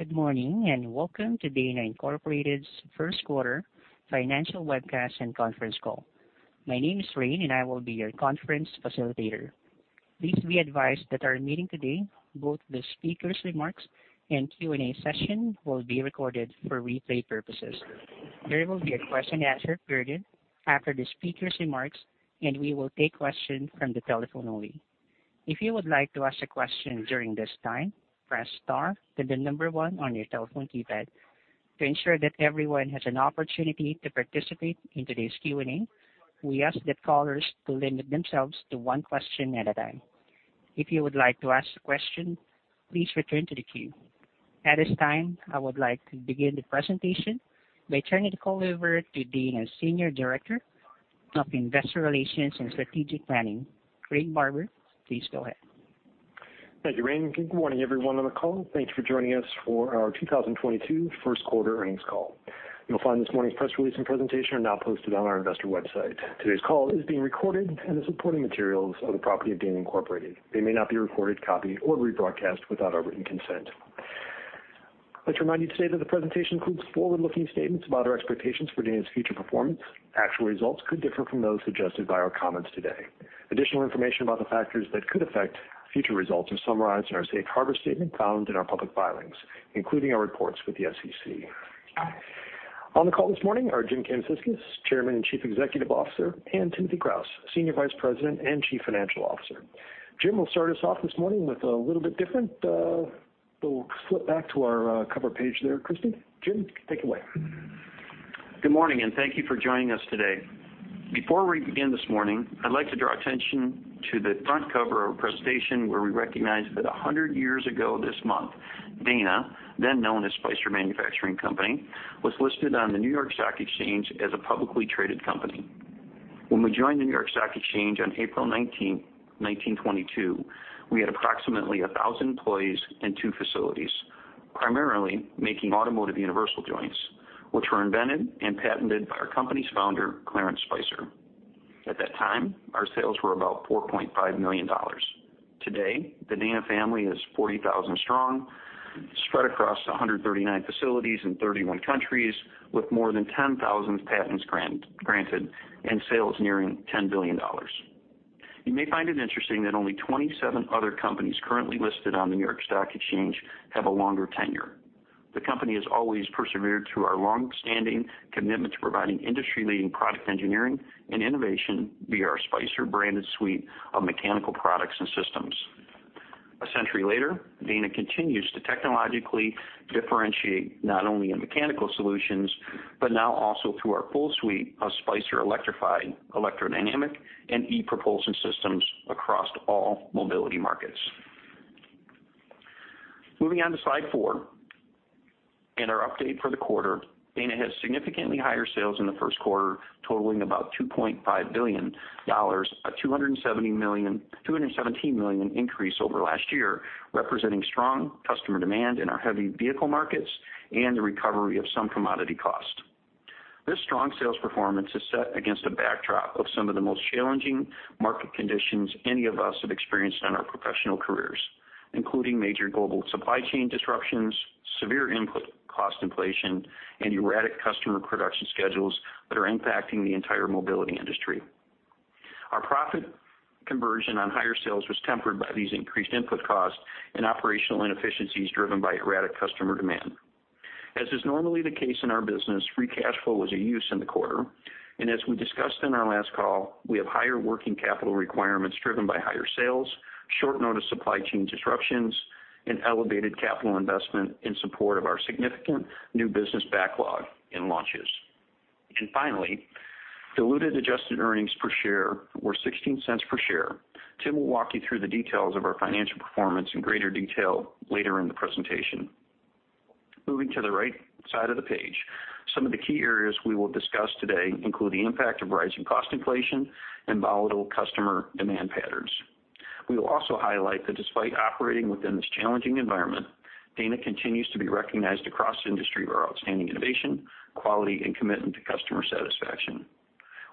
Good morning, and welcome to Dana Incorporated's first quarter financial webcast and conference call. My name is Reen, and I will be your conference facilitator. Please be advised that our meeting today, both the speakers' remarks and Q&A session, will be recorded for replay purposes. There will be a question and answer period after the speakers' remarks, and we will take questions from the telephone only. If you would like to ask a question during this time, press star, then the number one on your telephone keypad. To ensure that everyone has an opportunity to participate in today's Q&A, we ask that callers limit themselves to one question at a time. If you would like to ask a question, please return to the queue. At this time, I would like to begin the presentation by turning the call over to Dana's Senior Director of Investor Relations and Strategic Planning, Craig Barber. Please go ahead. Thank you, Reen. Good morning, everyone on the call. Thank you for joining us for our 2022 first quarter earnings call. You'll find this morning's press release and presentation are now posted on our investor website. Today's call is being recorded, and the supporting materials are the property of Dana Incorporated. They may not be recorded, copied, or rebroadcast without our written consent. I'd like to remind you today that the presentation includes forward-looking statements about our expectations for Dana's future performance. Actual results could differ from those suggested by our comments today. Additional information about the factors that could affect future results are summarized in our Safe Harbor statement found in our public filings, including our reports with the SEC. On the call this morning are Jim Kamsickas, Chairman and Chief Executive Officer; and Timothy Kraus, Senior Vice President and Chief Financial Officer. Jim will start us off this morning with a little bit different, but we'll flip back to our cover page there. Jim, take it away. Good morning, and thank you for joining us today. Before we begin this morning, I'd like to draw attention to the front cover of our presentation, where we recognize that 100 years ago this month, Dana, then known as Spicer Manufacturing Company, was listed on the New York Stock Exchange as a publicly traded company. When we joined the New York Stock Exchange on April 19th, 1922, we had approximately 1,000 employees and two facilities, primarily making automotive universal joints, which were invented and patented by our company's founder, Clarence Spicer. At that time, our sales were about $4.5 million. Today, the Dana family is 40,000 strong, spread across 139 facilities in 31 countries with more than 10,000 patents granted and sales nearing $10 billion. You may find it interesting that only 27 other companies currently listed on the New York Stock Exchange have a longer tenure. The company has always persevered through our long-standing commitment to providing industry-leading product engineering and innovation via our Spicer-branded suite of mechanical products and systems. A century later, Dana continues to technologically differentiate not only in mechanical solutions, but now also through our full suite of Spicer Electrified electrodynamic, and e-Propulsion systems across all mobility markets. Moving on to slide four and our update for the quarter. Dana had significantly higher sales in the first quarter, totaling about $2.5 billion, a $217 million increase over last year, representing strong customer demand in our heavy vehicle markets and the recovery of some commodity cost. This strong sales performance is set against a backdrop of some of the most challenging market conditions any of us have experienced in our professional careers, including major global supply chain disruptions, severe input cost inflation, and erratic customer production schedules that are impacting the entire mobility industry. Our profit conversion on higher sales was tempered by these increased input costs and operational inefficiencies driven by erratic customer demand. As is normally the case in our business, free cash flow was a use in the quarter. As we discussed in our last call, we have higher working capital requirements driven by higher sales, short notice supply chain disruptions, and elevated capital investment in support of our significant new business backlog and launches. Finally, diluted adjusted earnings per share were $0.16 per share. Tim will walk you through the details of our financial performance in greater detail later in the presentation. Moving to the right side of the page, some of the key areas we will discuss today include the impact of rising cost inflation and volatile customer demand patterns. We will also highlight that despite operating within this challenging environment, Dana continues to be recognized across the industry for our outstanding innovation, quality, and commitment to customer satisfaction.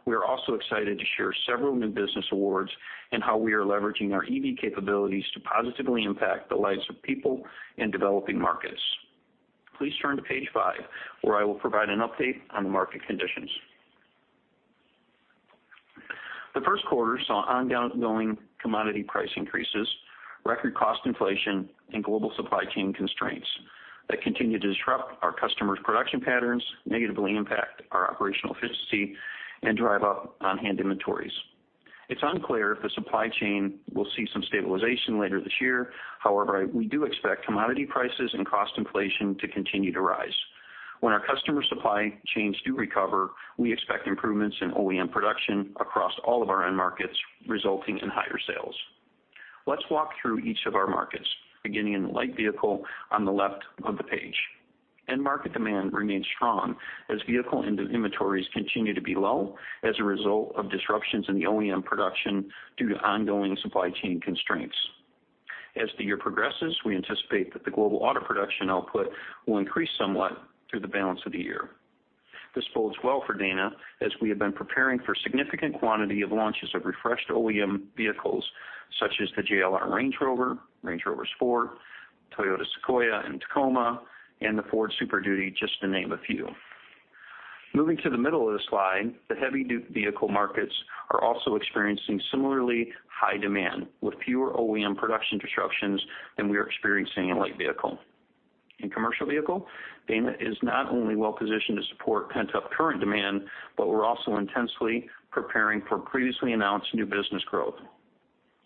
We are also excited to share several new business awards and how we are leveraging our EV capabilities to positively impact the lives of people in developing markets. Please turn to page five, where I will provide an update on the market conditions. The first quarter saw ongoing commodity price increases, record cost inflation, and global supply chain constraints that continue to disrupt our customers' production patterns, negatively impact our operational efficiency, and drive up on-hand inventories. It's unclear if the supply chain will see some stabilization later this year. However, we do expect commodity prices and cost inflation to continue to rise. When our customer supply chains do recover, we expect improvements in OEM production across all of our end markets, resulting in higher sales. Let's walk through each of our markets, beginning in the Light Vehicle on the left of the page. End market demand remains strong as vehicle inventories continue to be low as a result of disruptions in the OEM production due to ongoing supply chain constraints. As the year progresses, we anticipate that the global auto production output will increase somewhat through the balance of the year. This bodes well for Dana as we have been preparing for significant quantity of launches of refreshed OEM vehicles such as the JLR Range Rover, Range Rover Sport, Toyota Sequoia and Tacoma, and the Ford Super Duty, just to name a few. Moving to the middle of the slide, the heavy vehicle markets are also experiencing similarly high demand with fewer OEM production disruptions than we are experiencing in Light Vehicle. In Commercial Vehicle, Dana is not only well positioned to support pent-up current demand, but we're also intensely preparing for previously announced new business growth.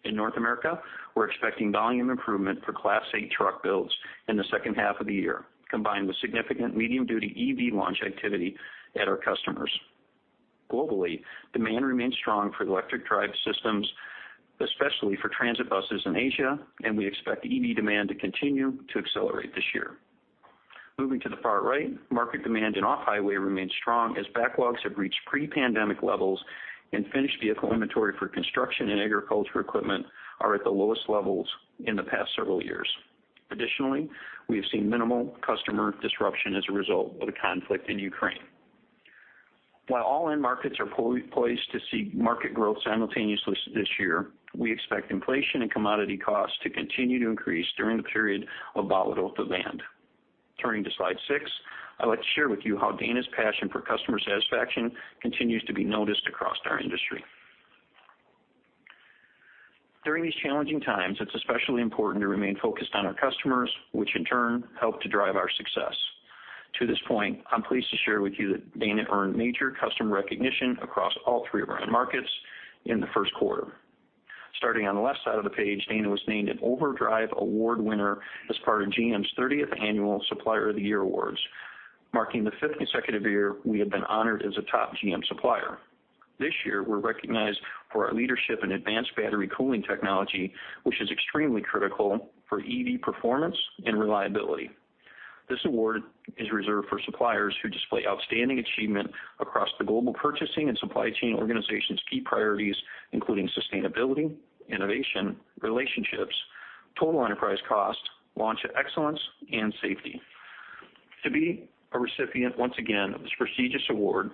In North America, we're expecting volume improvement for Class Eight truck builds in the second half of the year, combined with significant medium-duty EV launch activity at our customers. Globally, demand remains strong for electric drive systems, especially for transit buses in Asia, and we expect EV demand to continue to accelerate this year. Moving to the far right, market demand in Off-Highway remains strong as backlogs have reached pre-pandemic levels and finished vehicle inventory for construction and agriculture equipment are at the lowest levels in the past several years. Additionally, we have seen minimal customer disruption as a result of the conflict in Ukraine. While all end markets are poised to see market growth simultaneously this year, we expect inflation and commodity costs to continue to increase during the period of volatile demand. Turning to slide six, I would like to share with you how Dana's passion for customer satisfaction continues to be noticed across our industry. During these challenging times, it's especially important to remain focused on our customers, which in turn help to drive our success. To this point, I'm pleased to share with you that Dana earned major customer recognition across all three of our end markets in the first quarter. Starting on the left side of the page, Dana was named an Overdrive Award winner as part of GM's 30th annual Supplier of the Year awards, marking the fifth consecutive year we have been honored as a top GM supplier. This year, we're recognized for our leadership in advanced battery cooling technology, which is extremely critical for EV performance and reliability. This award is reserved for suppliers who display outstanding achievement across the global purchasing and supply chain organization's key priorities, including sustainability, innovation, relationships, total enterprise cost, launch excellence, and safety. To be a recipient once again of this prestigious award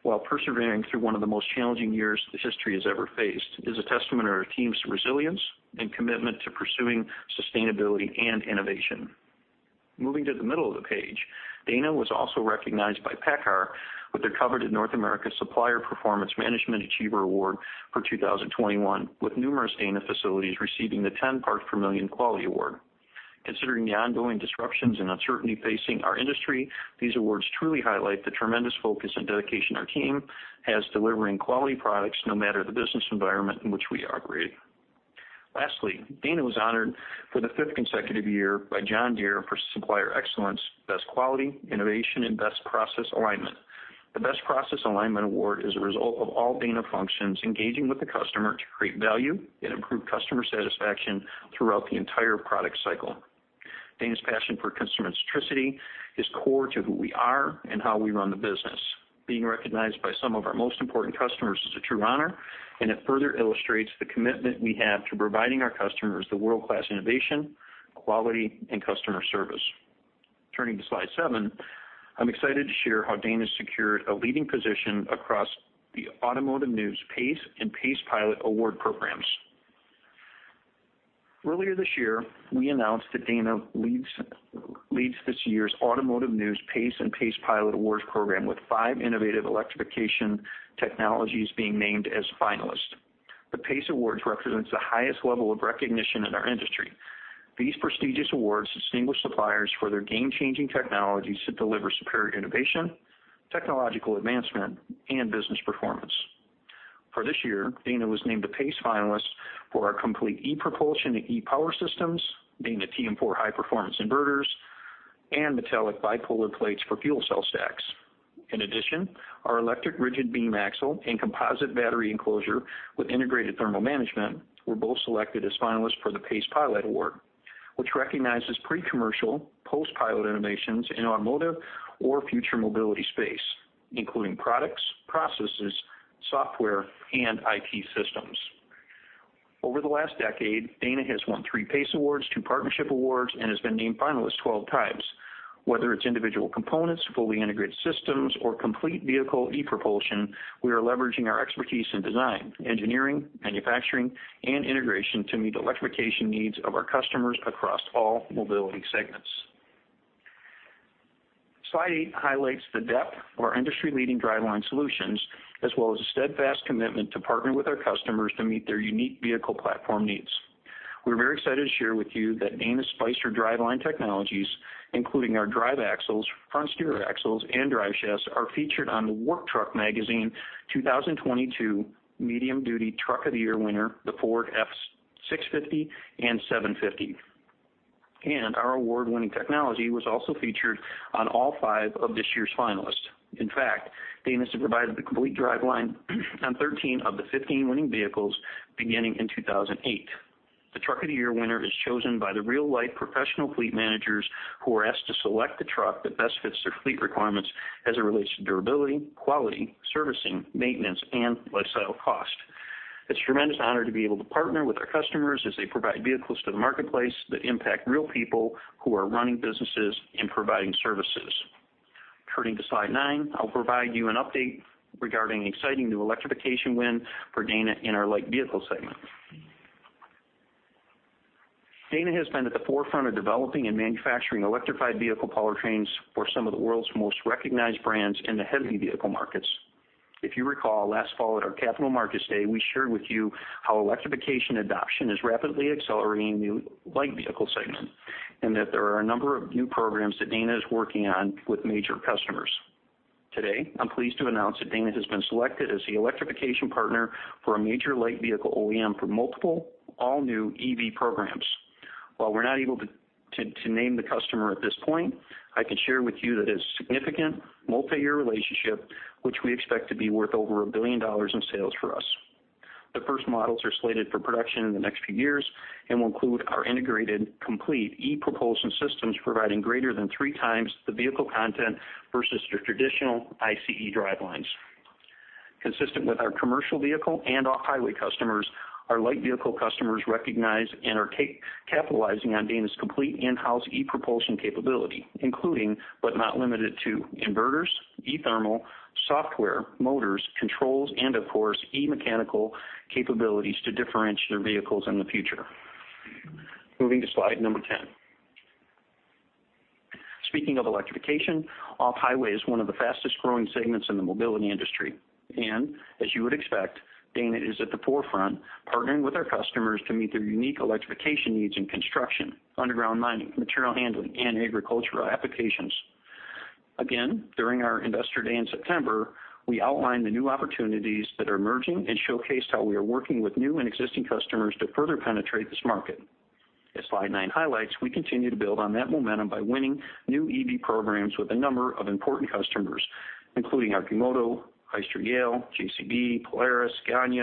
while persevering through one of the most challenging years this history has ever faced is a testament to our team's resilience and commitment to pursuing sustainability and innovation. Moving to the middle of the page, Dana was also recognized by PACCAR with their coveted North America Supplier Performance Management Achiever Award for 2021, with numerous Dana facilities receiving the 10 parts per million quality award. Considering the ongoing disruptions and uncertainty facing our industry, these awards truly highlight the tremendous focus and dedication our team has delivering quality products, no matter the business environment in which we operate. Lastly, Dana was honored for the fifth consecutive year by John Deere for Supplier Excellence, Best Quality, Innovation, and Best Process Alignment. The Best Process Alignment award is a result of all Dana functions engaging with the customer to create value and improve customer satisfaction throughout the entire product cycle. Dana's passion for customer centricity is core to who we are and how we run the business. Being recognized by some of our most important customers is a true honor, and it further illustrates the commitment we have to providing our customers the world-class innovation, quality, and customer service. Turning to slide seven, I'm excited to share how Dana secured a leading position across the Automotive News PACE and PACEpilot award programs. Earlier this year, we announced that Dana leads this year's Automotive News PACE and PACEpilot Awards program with five innovative electrification technologies being named as finalists. The PACE Awards represents the highest level of recognition in our industry. These prestigious awards distinguish suppliers for their game-changing technologies that deliver superior innovation, technological advancement, and business performance. For this year, Dana was named a PACE finalist for our complete e-Propulsion and e-Power systems, Dana TM4 high-performance inverters, and metallic bipolar plates for fuel cell stacks. In addition, our electric rigid beam axle and composite battery enclosure with integrated thermal management were both selected as finalists for the PACEpilot Award, which recognizes pre-commercial post-pilot innovations in automotive or future mobility space, including products, processes, software, and IT systems. Over the last decade, Dana has won three PACE awards, two partnership awards, and has been named finalist 12 times. Whether it's individual components, fully integrated systems or complete vehicle e-Propulsion, we are leveraging our expertise in design, engineering, manufacturing and integration to meet electrification needs of our customers across all mobility segments. Slide eight highlights the depth of our industry-leading driveline solutions as well as a steadfast commitment to partner with our customers to meet their unique vehicle platform needs. We're very excited to share with you that Dana Spicer driveline technologies, including our drive axles, front steer axles and driveshafts, are featured on the Work Truck magazine 2022 Medium-Duty Truck of the Year winner, the Ford F-650 and F-750. Our award-winning technology was also featured on all five of this year's finalists. In fact, Dana has provided the complete driveline on 13 of the 15 winning vehicles beginning in 2008. The Truck of the Year winner is chosen by the real-life professional fleet managers who are asked to select the truck that best fits their fleet requirements as it relates to durability, quality, servicing, maintenance, and lifecycle cost. It's a tremendous honor to be able to partner with our customers as they provide vehicles to the marketplace that impact real people who are running businesses and providing services. Turning to slide nine, I'll provide you an update regarding exciting new electrification win for Dana in our Light Vehicle segment. Dana has been at the forefront of developing and manufacturing electrified vehicle powertrains for some of the world's most recognized brands in the heavy vehicle markets. If you recall, last fall at our Capital Markets Day, we shared with you how electrification adoption is rapidly accelerating the Light Vehicle segment, and that there are a number of new programs that Dana is working on with major customers. Today, I'm pleased to announce that Dana has been selected as the electrification partner for a major Light Vehicle OEM for multiple all-new EV programs. While we're not able to name the customer at this point, I can share with you that it's a significant multi-year relationship which we expect to be worth over $1 billion in sales for us. The first models are slated for production in the next few years and will include our integrated complete e-Propulsion systems, providing greater than 3x the vehicle content versus your traditional ICE drivelines. Consistent with our Commercial Vehicle and Off-Highway customers, our Light Vehicle customers recognize and are capitalizing on Dana's complete in-house e-Propulsion capability, including, but not limited to inverters, e-thermal, software, motors, controls, and of course, e-mechanical capabilities to differentiate their vehicles in the future. Moving to slide number 10. Speaking of electrification, Off-Highway is one of the fastest-growing segments in the mobility industry. As you would expect, Dana is at the forefront, partnering with our customers to meet their unique electrification needs in construction, underground mining, material handling, and agricultural applications. Again, during our Investor Day in September, we outlined the new opportunities that are emerging and showcased how we are working with new and existing customers to further penetrate this market. As slide nine highlights, we continue to build on that momentum by winning new EV programs with a number of important customers, including Arcimoto, Hyster-Yale, JCB, Polaris, Genie,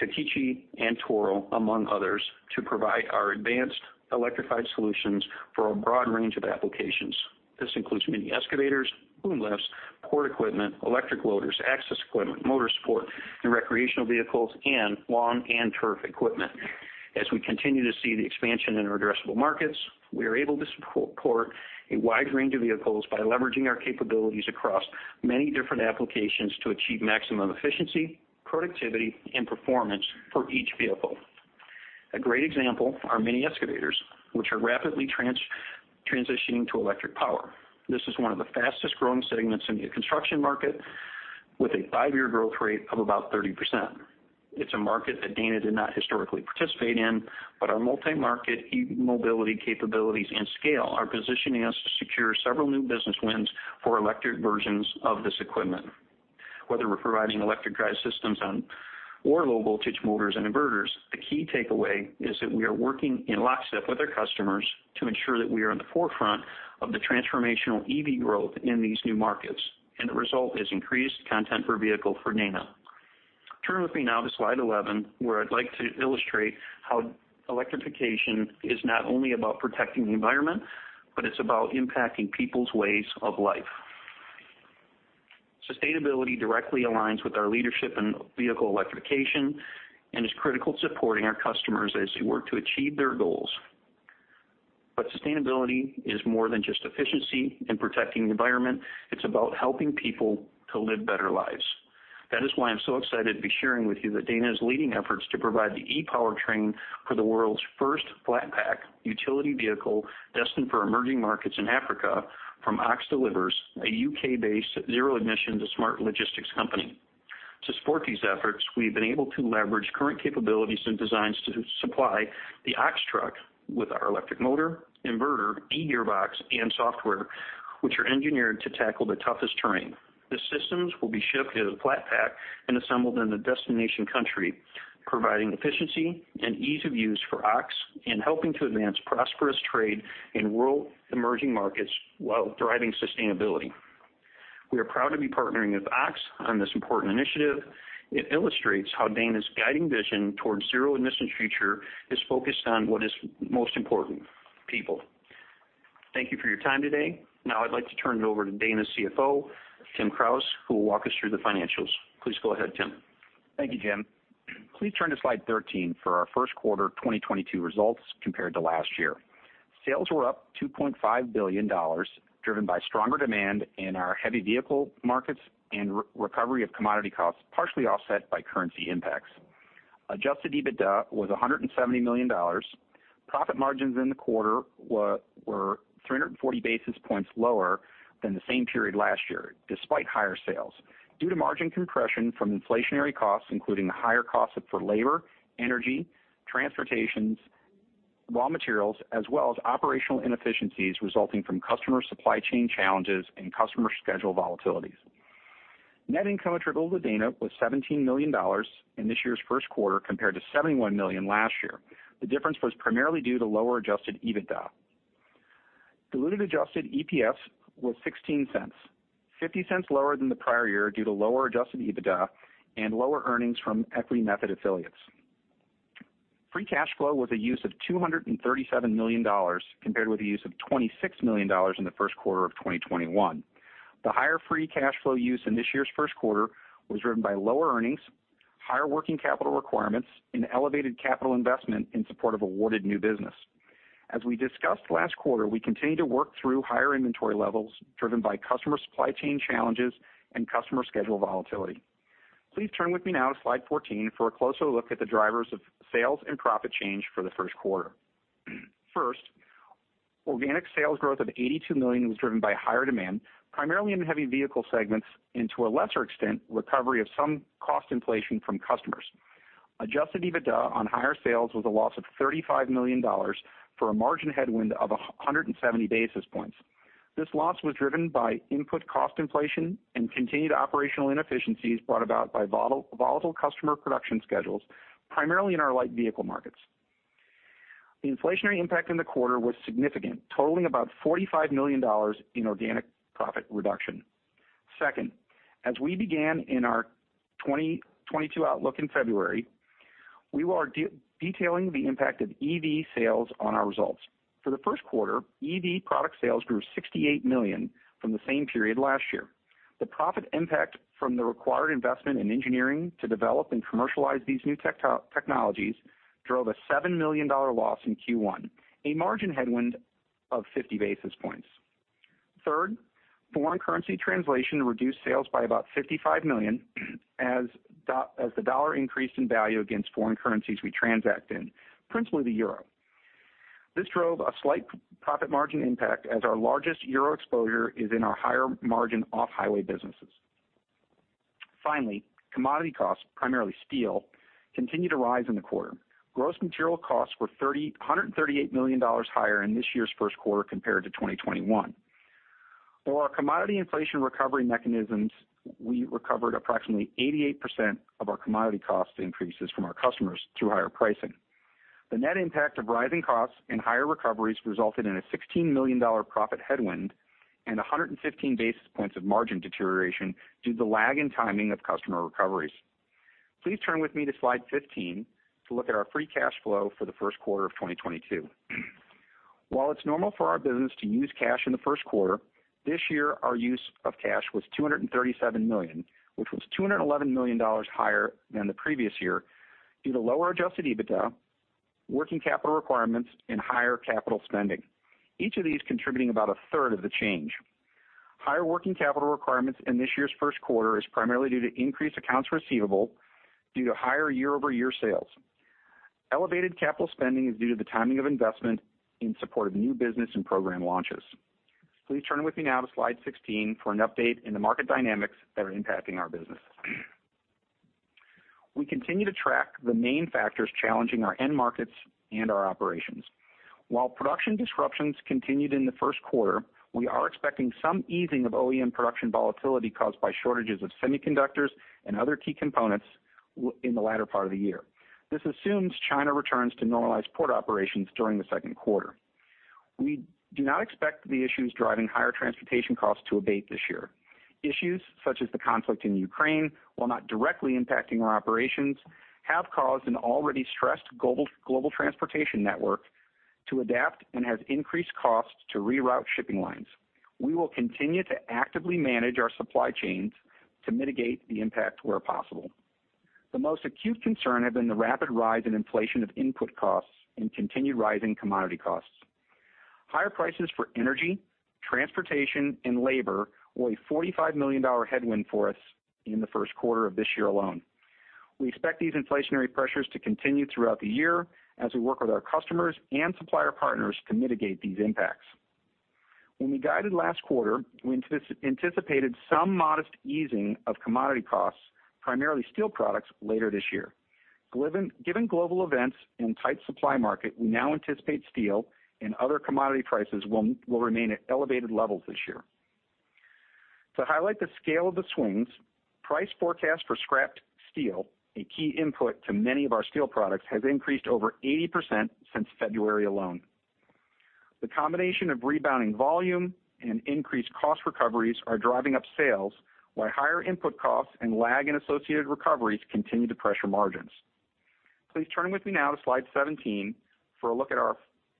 Takeuchi, and Toro, among others, to provide our advanced electrified solutions for a broad range of applications. This includes mini excavators, boom lifts, port equipment, electric loaders, access equipment, motor sport and recreational vehicles, and lawn and turf equipment. As we continue to see the expansion in our addressable markets, we are able to support a wide range of vehicles by leveraging our capabilities across many different applications to achieve maximum efficiency, productivity, and performance for each vehicle. A great example are mini excavators, which are rapidly transitioning to electric power. This is one of the fastest-growing segments in the construction market, with a five-year growth rate of about 30%. It's a market that Dana did not historically participate in, but our multi-market e-mobility capabilities and scale are positioning us to secure several new business wins for electric versions of this equipment. Whether we're providing electric drive systems or low-voltage motors and inverters, the key takeaway is that we are working in lockstep with our customers to ensure that we are at the forefront of the transformational EV growth in these new markets, and the result is increased content per vehicle for Dana. Turn with me now to slide 11, where I'd like to illustrate how electrification is not only about protecting the environment, but it's about impacting people's ways of life. Sustainability directly aligns with our leadership in vehicle electrification and is critical to supporting our customers as they work to achieve their goals. Sustainability is more than just efficiency and protecting the environment, it's about helping people to live better lives. That is why I'm so excited to be sharing with you that Dana is leading efforts to provide the e-powertrain for the world's first flat pack utility vehicle destined for emerging markets in Africa from OX Delivers, a UK-based zero emission to smart logistics company. To support these efforts, we've been able to leverage current capabilities and designs to supply the OX truck with our electric motor, inverter, e-gearbox, and software, which are engineered to tackle the toughest terrain. The systems will be shipped as a flat pack and assembled in the destination country, providing efficiency and ease of use for OX and helping to advance prosperous trade in rural emerging markets while driving sustainability. We are proud to be partnering with OX on this important initiative. It illustrates how Dana's guiding vision towards zero emissions future is focused on what is most important, people. Thank you for your time today. Now I'd like to turn it over to Dana's CFO, Tim Kraus, who will walk us through the financials. Please go ahead, Tim. Thank you, Jim. Please turn to slide 13 for our first quarter 2022 results compared to last year. Sales were up $2.5 billion, driven by stronger demand in our heavy vehicle markets and recovery of commodity costs, partially offset by currency impacts. Adjusted EBITDA was $170 million. Profit margins in the quarter were 340 basis points lower than the same period last year, despite higher sales due to margin compression from inflationary costs, including the higher costs of labor, energy, transportation, raw materials, as well as operational inefficiencies resulting from customer supply chain challenges and customer schedule volatilities. Net income attributable to Dana was $17 million in this year's first quarter, compared to $71 million last year. The difference was primarily due to lower Adjusted EBITDA. Diluted adjusted EPS was $0.16, $0.50 lower than the prior year due to lower Adjusted EBITDA and lower earnings from equity method affiliates. Free cash flow was a use of $237 million compared with the use of $26 million in the first quarter of 2021. The higher free cash flow use in this year's first quarter was driven by lower earnings, higher working capital requirements, and elevated capital investment in support of awarded new business. We discussed last quarter, we continue to work through higher inventory levels driven by customer supply chain challenges and customer schedule volatility. Please turn with me now to slide 14 for a closer look at the drivers of sales and profit change for the first quarter. First, organic sales growth of $82 million was driven by higher demand, primarily in the heavy vehicle segments and to a lesser extent, recovery of some cost inflation from customers. Adjusted EBITDA on higher sales was a loss of $35 million for a margin headwind of 170 basis points. This loss was driven by input cost inflation and continued operational inefficiencies brought about by volatile customer production schedules, primarily in our Light Vehicle markets. The inflationary impact in the quarter was significant, totaling about $45 million in organic profit reduction. Second, as we began in our 2022 outlook in February, we are detailing the impact of EV sales on our results. For the first quarter, EV product sales grew $68 million from the same period last year. The profit impact from the required investment in engineering to develop and commercialize these new technologies drove a $7 million loss in Q1, a margin headwind of 50 basis points. Third, foreign currency translation reduced sales by about $55 million as the dollar increased in value against foreign currencies we transact in, principally the euro. This drove a slight profit margin impact as our largest euro exposure is in our higher margin Off-Highway businesses. Finally, commodity costs, primarily steel, continued to rise in the quarter. Gross material costs were $138 million higher in this year's first quarter compared to 2021. For our commodity inflation recovery mechanisms, we recovered approximately 88% of our commodity cost increases from our customers through higher pricing. The net impact of rising costs and higher recoveries resulted in a $16 million profit headwind and 115 basis points of margin deterioration due to the lag in timing of customer recoveries. Please turn with me to slide 15 to look at our free cash flow for the first quarter of 2022. While it's normal for our business to use cash in the first quarter, this year our use of cash was $237 million, which was $211 million higher than the previous year due to lower Adjusted EBITDA, working capital requirements, and higher capital spending, each of these contributing about a third of the change. Higher working capital requirements in this year's first quarter is primarily due to increased accounts receivable due to higher year-over-year sales. Elevated capital spending is due to the timing of investment in support of new business and program launches. Please turn with me now to slide 16 for an update in the market dynamics that are impacting our business. We continue to track the main factors challenging our end markets and our operations. While production disruptions continued in the first quarter, we are expecting some easing of OEM production volatility caused by shortages of semiconductors and other key components within the latter part of the year. This assumes China returns to normalized port operations during the second quarter. We do not expect the issues driving higher transportation costs to abate this year. Issues such as the conflict in Ukraine, while not directly impacting our operations, have caused an already stressed global transportation network to adapt and has increased costs to reroute shipping lines. We will continue to actively manage our supply chains to mitigate the impact where possible. The most acute concern has been the rapid rise in inflation of input costs and continued rise in commodity costs. Higher prices for energy, transportation, and labor were a $45 million headwind for us in the first quarter of this year alone. We expect these inflationary pressures to continue throughout the year as we work with our customers and supplier partners to mitigate these impacts. When we guided last quarter, we anticipated some modest easing of commodity costs, primarily steel products, later this year. Given global events and tight supply market, we now anticipate steel and other commodity prices will remain at elevated levels this year. To highlight the scale of the swings, price forecast for scrapped steel, a key input to many of our steel products, has increased over 80% since February alone. The combination of rebounding volume and increased cost recoveries are driving up sales, while higher input costs and lag in associated recoveries continue to pressure margins. Please turn with me now to slide 17 for a look at our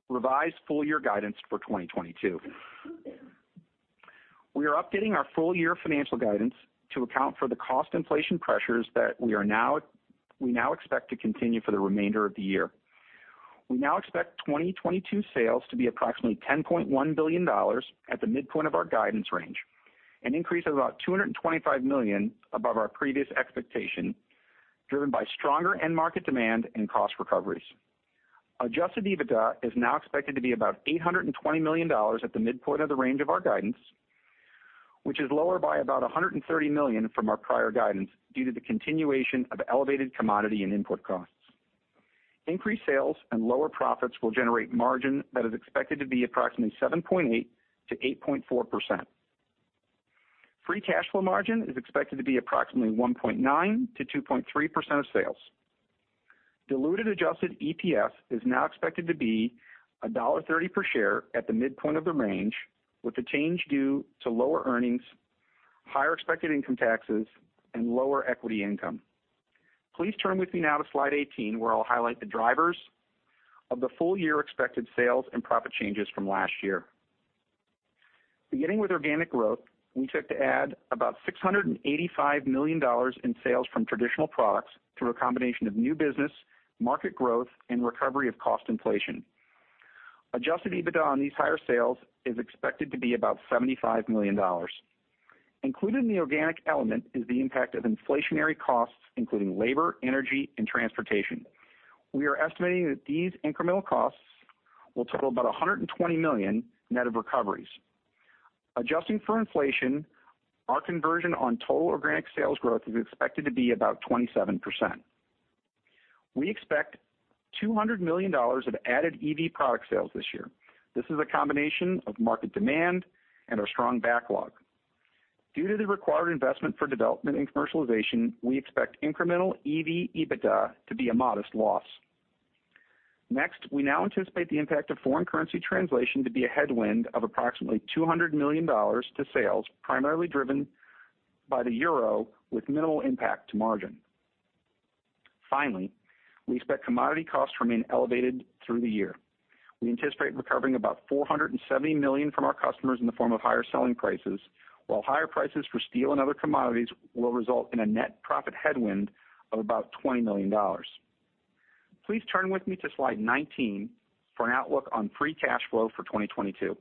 revised full year guidance for 2022. We are updating our full year financial guidance to account for the cost inflation pressures that we now expect to continue for the remainder of the year. We now expect 2022 sales to be approximately $10.1 billion at the midpoint of our guidance range, an increase of about $225 million above our previous expectation, driven by stronger end market demand and cost recoveries. Adjusted EBITDA is now expected to be about $820 million at the midpoint of the range of our guidance, which is lower by about $130 million from our prior guidance due to the continuation of elevated commodity and input costs. Increased sales and lower profits will generate margin that is expected to be approximately 7.8%-8.4%. Free cash flow margin is expected to be approximately 1.9%-2.3% of sales. Diluted adjusted EPS is now expected to be $1.30 per share at the midpoint of the range, with the change due to lower earnings, higher expected income taxes and lower equity income. Please turn with me now to slide 18, where I'll highlight the drivers of the full year expected sales and profit changes from last year. Beginning with organic growth, we look to add about $685 million in sales from traditional products through a combination of new business, market growth, and recovery of cost inflation. Adjusted EBITDA on these higher sales is expected to be about $75 million. Included in the organic element is the impact of inflationary costs, including labor, energy, and transportation. We are estimating that these incremental costs will total about $120 million net of recoveries. Adjusting for inflation, our conversion on total organic sales growth is expected to be about 27%. We expect $200 million of added EV product sales this year. This is a combination of market demand and our strong backlog. Due to the required investment for development and commercialization, we expect incremental EV EBITDA to be a modest loss. Next, we now anticipate the impact of foreign currency translation to be a headwind of approximately $200 million to sales, primarily driven by the euro, with minimal impact to margin. Finally, we expect commodity costs to remain elevated through the year. We anticipate recovering about $470 million from our customers in the form of higher selling prices, while higher prices for steel and other commodities will result in a net profit headwind of about $20 million. Please turn with me to slide 19 for an outlook on free cash flow for 2022.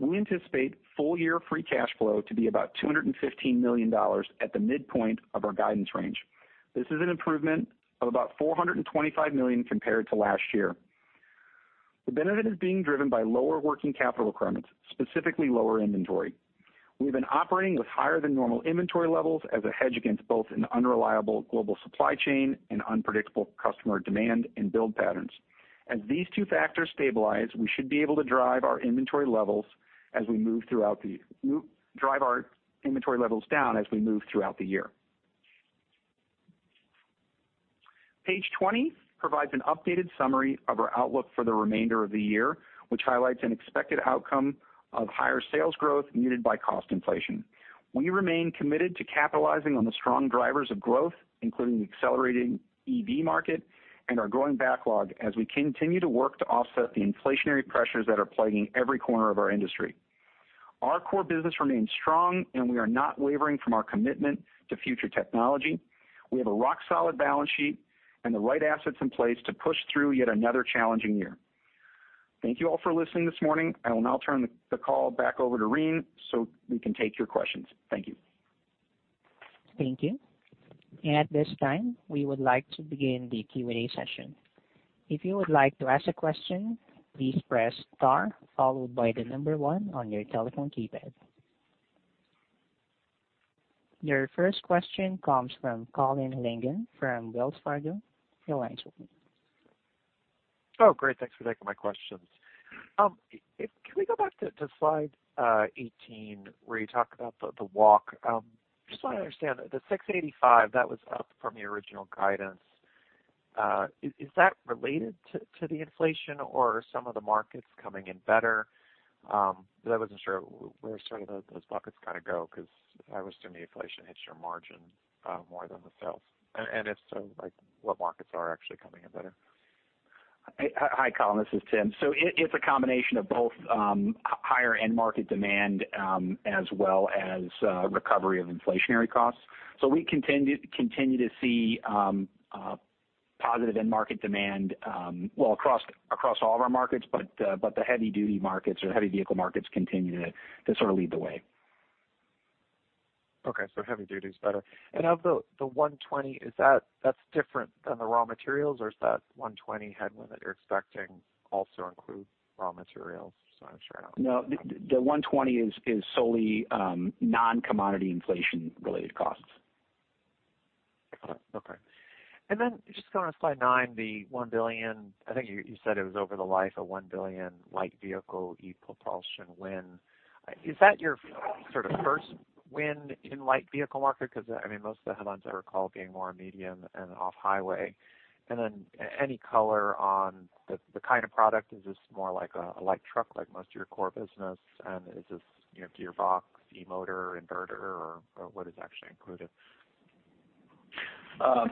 We anticipate full year free cash flow to be about $215 million at the midpoint of our guidance range. This is an improvement of about $425 million compared to last year. The benefit is being driven by lower working capital requirements, specifically lower inventory. We've been operating with higher than normal inventory levels as a hedge against both an unreliable global supply chain and unpredictable customer demand and build patterns. As these two factors stabilize, we should be able to drive our inventory levels down as we move throughout the year. Page 20 provides an updated summary of our outlook for the remainder of the year, which highlights an expected outcome of higher sales growth muted by cost inflation. We remain committed to capitalizing on the strong drivers of growth, including the accelerating EV market and our growing backlog as we continue to work to offset the inflationary pressures that are plaguing every corner of our industry. Our core business remains strong, and we are not wavering from our commitment to future technology. We have a rock solid balance sheet and the right assets in place to push through yet another challenging year. Thank you all for listening this morning. I will now turn the call back over to Reen so we can take your questions. Thank you. Thank you. At this time, we would like to begin the Q&A session. If you would like to ask a question, please press star followed by the number one on your telephone keypad. Your first question comes from Colin Langan from Wells Fargo. Your line's open. Oh, great. Thanks for taking my questions. Can we go back to slide 18 where you talk about the walk? Just so I understand, the $685, that was up from your original guidance. Is that related to the inflation or some of the markets coming in better? Because I wasn't sure where some of those buckets kind of go because I always assume the inflation hits your margin more than the sales. If so, like, what markets are actually coming in better? Hi, Colin, this is Tim. It's a combination of both, higher end market demand, as well as recovery of inflationary costs. We continue to see positive end market demand, well, across all of our markets. The heavy duty markets or heavy vehicle markets continue to sort of lead the way. Okay, heavy duty is better. Of the $120, that's different than the raw materials, or is that $120 headwind that you're expecting also includes raw materials? Just wanna make sure I don't- No, the $120 is solely non-commodity inflation-related costs. Got it. Okay. Then just going to slide nine, the $1 billion. I think you said it was over the life of $1 billion Light Vehicle e-Propulsion win. Is that your sort of first win in Light Vehicle market? Because, I mean, most of the headlines I recall being more medium and Off-Highway. Then any color on the kind of product. Is this more like a light truck like most of your core business? Is this, you know, gearbox, e-motor, inverter or what is actually included? Well,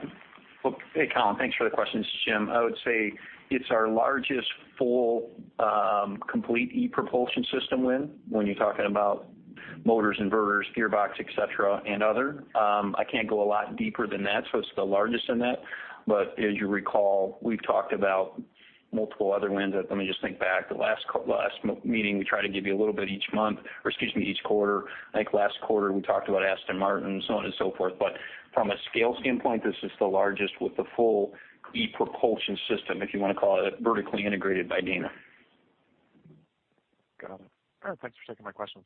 hey, Colin, thanks for the questions. It's Jim. I would say it's our largest full complete e-Propulsion system win when you're talking about motors, inverters, gearbox, et cetera, and other. I can't go a lot deeper than that. It's the largest in that. As you recall, we've talked about multiple other wins that. Let me just think back. The last meeting, we tried to give you a little bit each month or, excuse me, each quarter. I think last quarter we talked about Aston Martin, so on and so forth. From a scale standpoint, this is the largest with the full e-Propulsion system, if you want to call it vertically integrated by Dana. Got it. All right, thanks for taking my questions.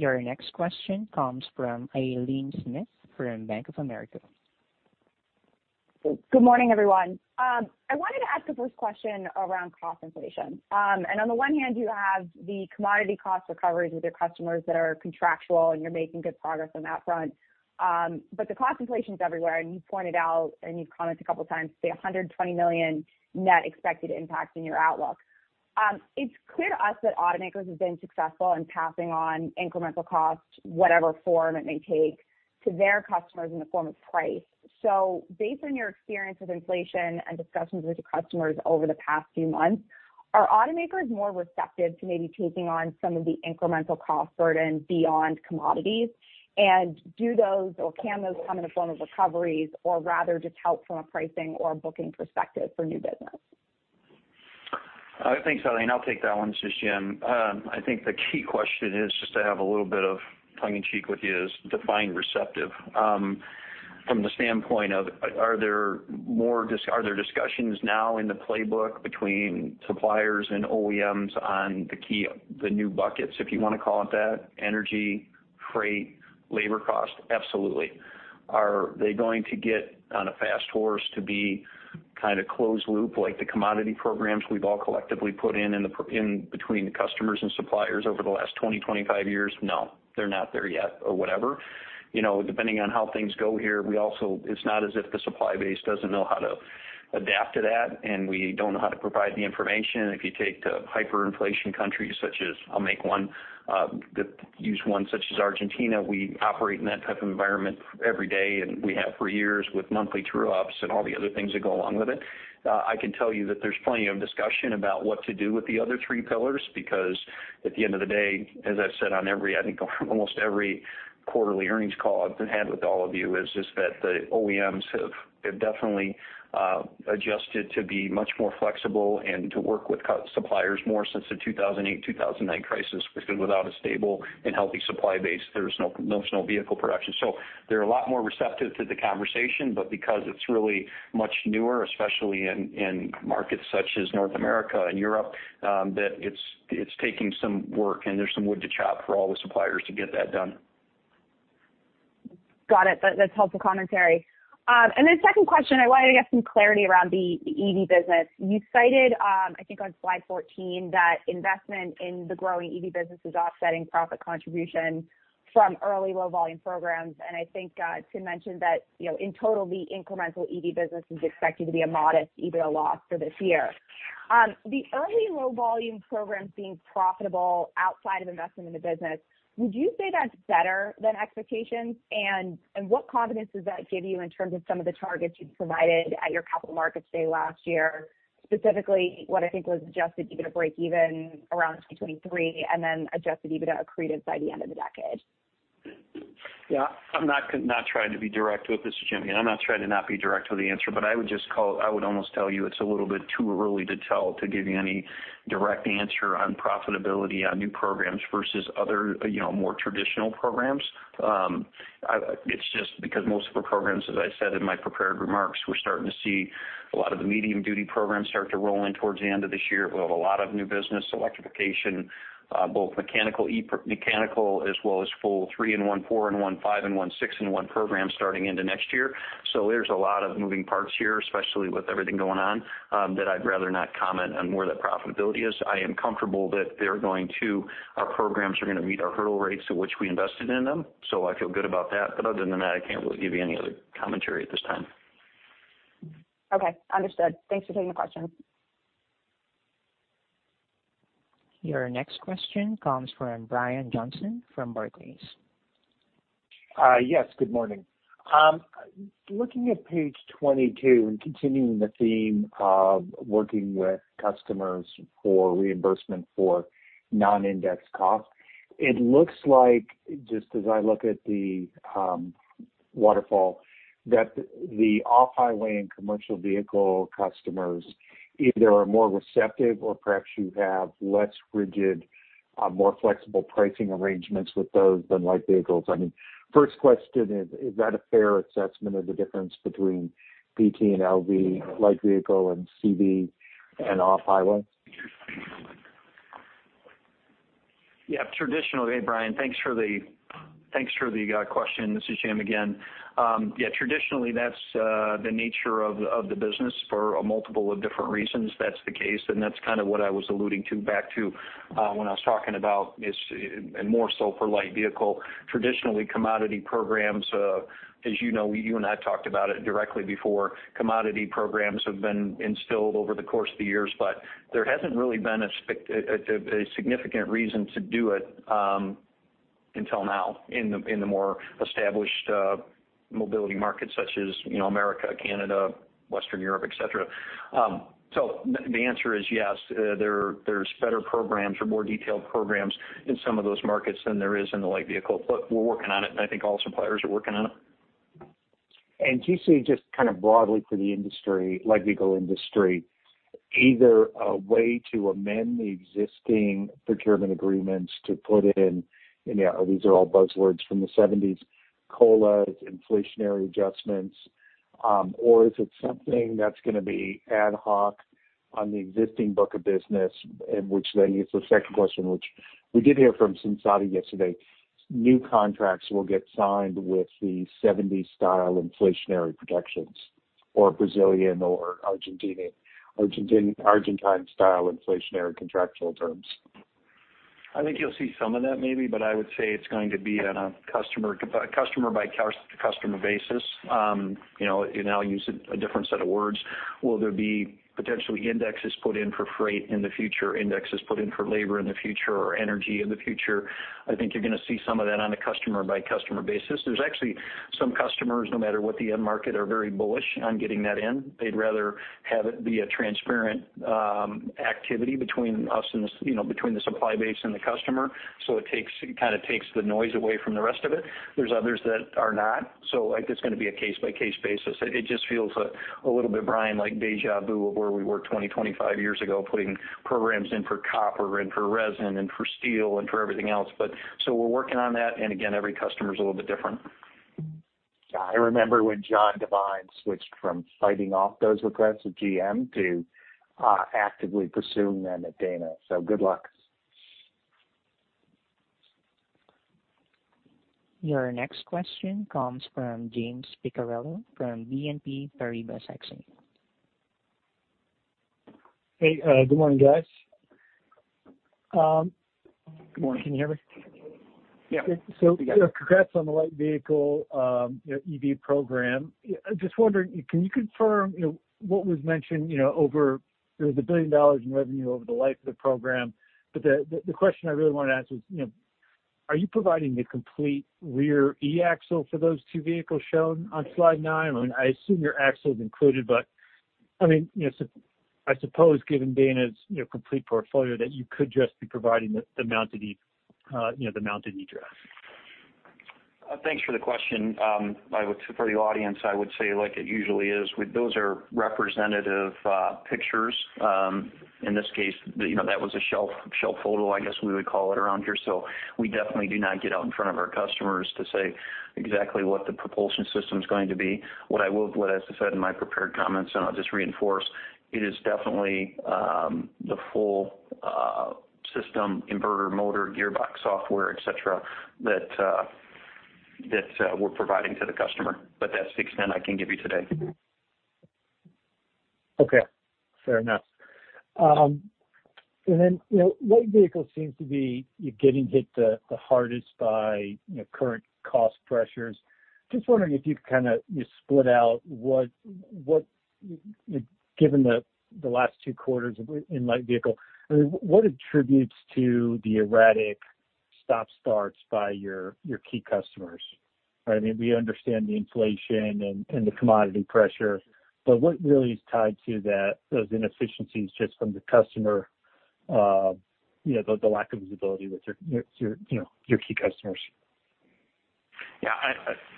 Your next question comes from Aileen Smith from Bank of America. Good morning, everyone. I wanted to ask the first question around cost inflation. On the one hand, you have the commodity cost recoveries with your customers that are contractual, and you're making good progress on that front. The cost inflation is everywhere, and you pointed out, and you've commented a couple of times, say, $120 million net expected impact in your outlook. It's clear to us that automakers have been successful in passing on incremental costs, whatever form it may take, to their customers in the form of price. Based on your experience with inflation and discussions with your customers over the past few months, are automakers more receptive to maybe taking on some of the incremental cost burden beyond commodities? Do those or can those come in the form of recoveries or rather just help from a pricing or booking perspective for new business? Thanks, Aileen. I'll take that one. This is Jim. I think the key question is just to have a little bit of tongue in cheek with you is define receptive. From the standpoint of are there discussions now in the playbook between suppliers and OEMs on the new buckets, if you wanna call it that, energy, freight, labor cost? Absolutely. Are they going to get on a fast horse to be kind of closed loop like the commodity programs we've all collectively put in between the customers and suppliers over the last 20, 25 years? No, they're not there yet or whatever. You know, depending on how things go here, it's not as if the supply base doesn't know how to adapt to that, and we don't know how to provide the information. If you take the hyperinflation countries such as Argentina, we operate in that type of environment every day, and we have for years with monthly true ups and all the other things that go along with it. I can tell you that there's plenty of discussion about what to do with the other three pillars because at the end of the day, as I've said on every, I think almost every quarterly earnings call I've had with all of you, is just that the OEMs have definitely adjusted to be much more flexible and to work with suppliers more since the 2008, 2009 crisis, because without a stable and healthy supply base, there's no vehicle production. They're a lot more receptive to the conversation. because it's really much newer, especially in markets such as North America and Europe, that it's taking some work and there's some wood to chop for all the suppliers to get that done. Got it. That's helpful commentary. Second question, I wanted to get some clarity around the EV business. You cited, I think on slide 14 that investment in the growing EV business is offsetting profit contribution from early low volume programs. I think Tim mentioned that, you know, in total, the incremental EV business is expected to be a modest EBITDA loss for this year. The early low volume programs being profitable outside of investment in the business, would you say that's better than expectations? What confidence does that give you in terms of some of the targets you provided at your Capital Markets Day last year? Specifically what I think was Adjusted EBITDA breakeven around 2023 and then Adjusted EBITDA accretive by the end of the decade. Yeah, this is Jim again. I'm not trying to be direct with the answer, but I would almost tell you it's a little bit too early to tell, to give you any direct answer on profitability on new programs versus other, you know, more traditional programs. It's just because most of our programs, as I said in my prepared remarks, we're starting to see a lot of the medium-duty programs start to roll in towards the end of this year. We'll have a lot of new business, electrification, both mechanical as well as full three-in-one, four-in-one, five-in-one, six-in-one programs starting into next year. There's a lot of moving parts here, especially with everything going on, that I'd rather not comment on where that profitability is. I am comfortable our programs are gonna meet our hurdle rates at which we invested in them. I feel good about that. Other than that, I can't really give you any other commentary at this time. Okay, understood. Thanks for taking the question. Your next question comes from Brian Johnson from Barclays. Yes, good morning. Looking at page 22 and continuing the theme of working with customers for reimbursement for non-indexed costs, it looks like, just as I look at the waterfall, that the Off-Highway and Commercial Vehicle customers either are more receptive or perhaps you have less rigid, more flexible pricing arrangements with those than Light Vehicle. I mean, first question is that a fair assessment of the difference between PT and LV, Light Vehicle, and CV and Off-Highway? Yeah. Hey, Brian, thanks for the question. This is Jim again. Yeah, traditionally that's the nature of the business for a multiple of different reasons. That's the case, and that's kind of what I was alluding to, back to when I was talking about it, and more so for Light Vehicle. Traditionally, commodity programs, as you know, you and I talked about it directly before, commodity programs have been instilled over the course of the years, but there hasn't really been a significant reason to do it, until now in the more established mobility markets such as, you know, America, Canada, Western Europe, et cetera. So the answer is yes, there's better programs or more detailed programs in some of those markets than there is in the Light Vehicle. We're working on it, and I think all suppliers are working on it. Do you see just kind of broadly for the industry, Light Vehicle industry, either a way to amend the existing procurement agreements to put in, and, yeah, these are all buzzwords from the seventies, COLAs, inflationary adjustments, or is it something that's gonna be ad hoc on the existing book of business? Which then is the second question, which we did hear from Sensata yesterday, new contracts will get signed with the seventies style inflationary protections or Brazilian or Argentine style inflationary contractual terms. I think you'll see some of that maybe, but I would say it's going to be on a customer by customer basis. You know, I'll use a different set of words. Will there be potentially indexes put in for freight in the future, indexes put in for labor in the future or energy in the future? I think you're gonna see some of that on a customer by customer basis. There's actually some customers, no matter what the end market, are very bullish on getting that in. They'd rather have it be a transparent activity between us and you know, between the supply base and the customer, so it kind of takes the noise away from the rest of it. There's others that are not. Like, it's gonna be a case by case basis. It just feels a little bit, Brian, like déjà vu of where we were 20, 25 years ago, putting programs in for copper and for resin and for steel and for everything else. We're working on that, and again, every customer is a little bit different. I remember when John Devine switched from fighting off those requests with GM to actively pursuing them at Dana, so good luck. Your next question comes from James Picariello from BNP Paribas Exane. Hey, good morning, guys. Good morning. Can you hear me? Yeah. We can. Congrats on the Light Vehicle EV program. Just wondering, can you confirm what was mentioned over there was $1 billion in revenue over the life of the program. The question I really want to ask is, are you providing the complete rear e-Axle for those two vehicles shown on slide nine? I mean, I assume your axle is included, but I mean, I suppose given Dana's complete portfolio that you could just be providing the mount and e-drive. Thanks for the question. For the audience, I would say like it usually is, those are representative pictures. In this case, you know, that was a shelf photo, I guess we would call it around here. We definitely do not get out in front of our customers to say exactly what the propulsion system's going to be. What as I said in my prepared comments, and I'll just reinforce, it is definitely the full system, inverter, motor, gearbox software, et cetera, that we're providing to the customer. But that's the extent I can give you today. Okay. Fair enough. You know, Light Vehicles seems to be getting hit the hardest by, you know, current cost pressures. Just wondering if you could kind of just split out what given the last two quarters in Light Vehicle, I mean, what contributes to the erratic stop starts by your key customers? I mean, we understand the inflation and the commodity pressure, but what really is tied to that, those inefficiencies just from the customer, you know, the lack of visibility with your key customers? Yeah,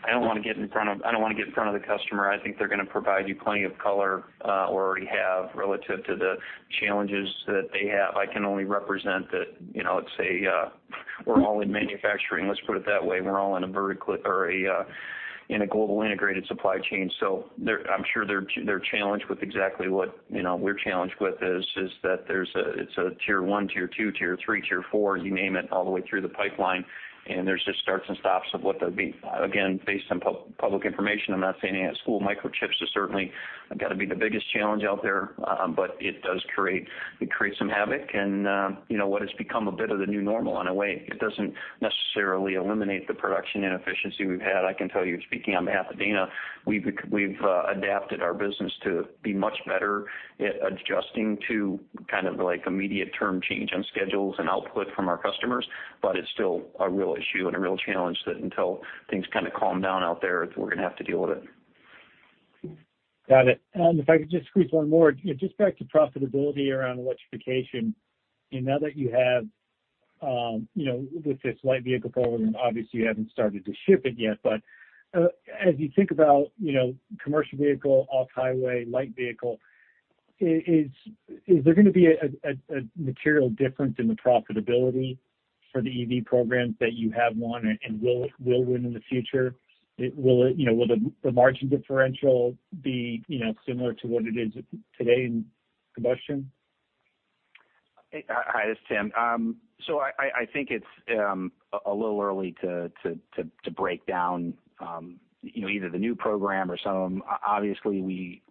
I don't wanna get in front of the customer. I think they're gonna provide you plenty of color, or already have relative to the challenges that they have. I can only represent that, you know, let's say, we're all in manufacturing, let's put it that way. We're all in a global integrated supply chain. I'm sure they're challenged with exactly what, you know, we're challenged with is that it's a Tier One, Tier Two, Tier Three, Tier Four, you name it, all the way through the pipeline. There's just starts and stops of what they'll be. Again, based on public information, I'm not saying the semiconductor shortage has certainly got to be the biggest challenge out there, but it creates some havoc and, you know, what has become a bit of the new normal in a way. It doesn't necessarily eliminate the production inefficiency we've had. I can tell you, speaking on behalf of Dana, we've adapted our business to be much better at adjusting to kind of like immediate term change on schedules and output from our customers. But it's still a real issue and a real challenge that until things kind of calm down out there, we're gonna have to deal with it. Got it. If I could just squeeze one more. Just back to profitability around electrification. Now that you have, you know, with this Light Vehicle program, obviously you haven't started to ship it yet, but, as you think about, you know, Commercial Vehicle, Off-Highway, Light Vehicle, is there gonna be a material difference in the profitability for the EV programs that you have won and will win in the future? Will you know will the margin differential be, you know, similar to what it is today in combustion? Hi, this is Tim. I think it's a little early to break down, you know, either the new program or some of them. Obviously, we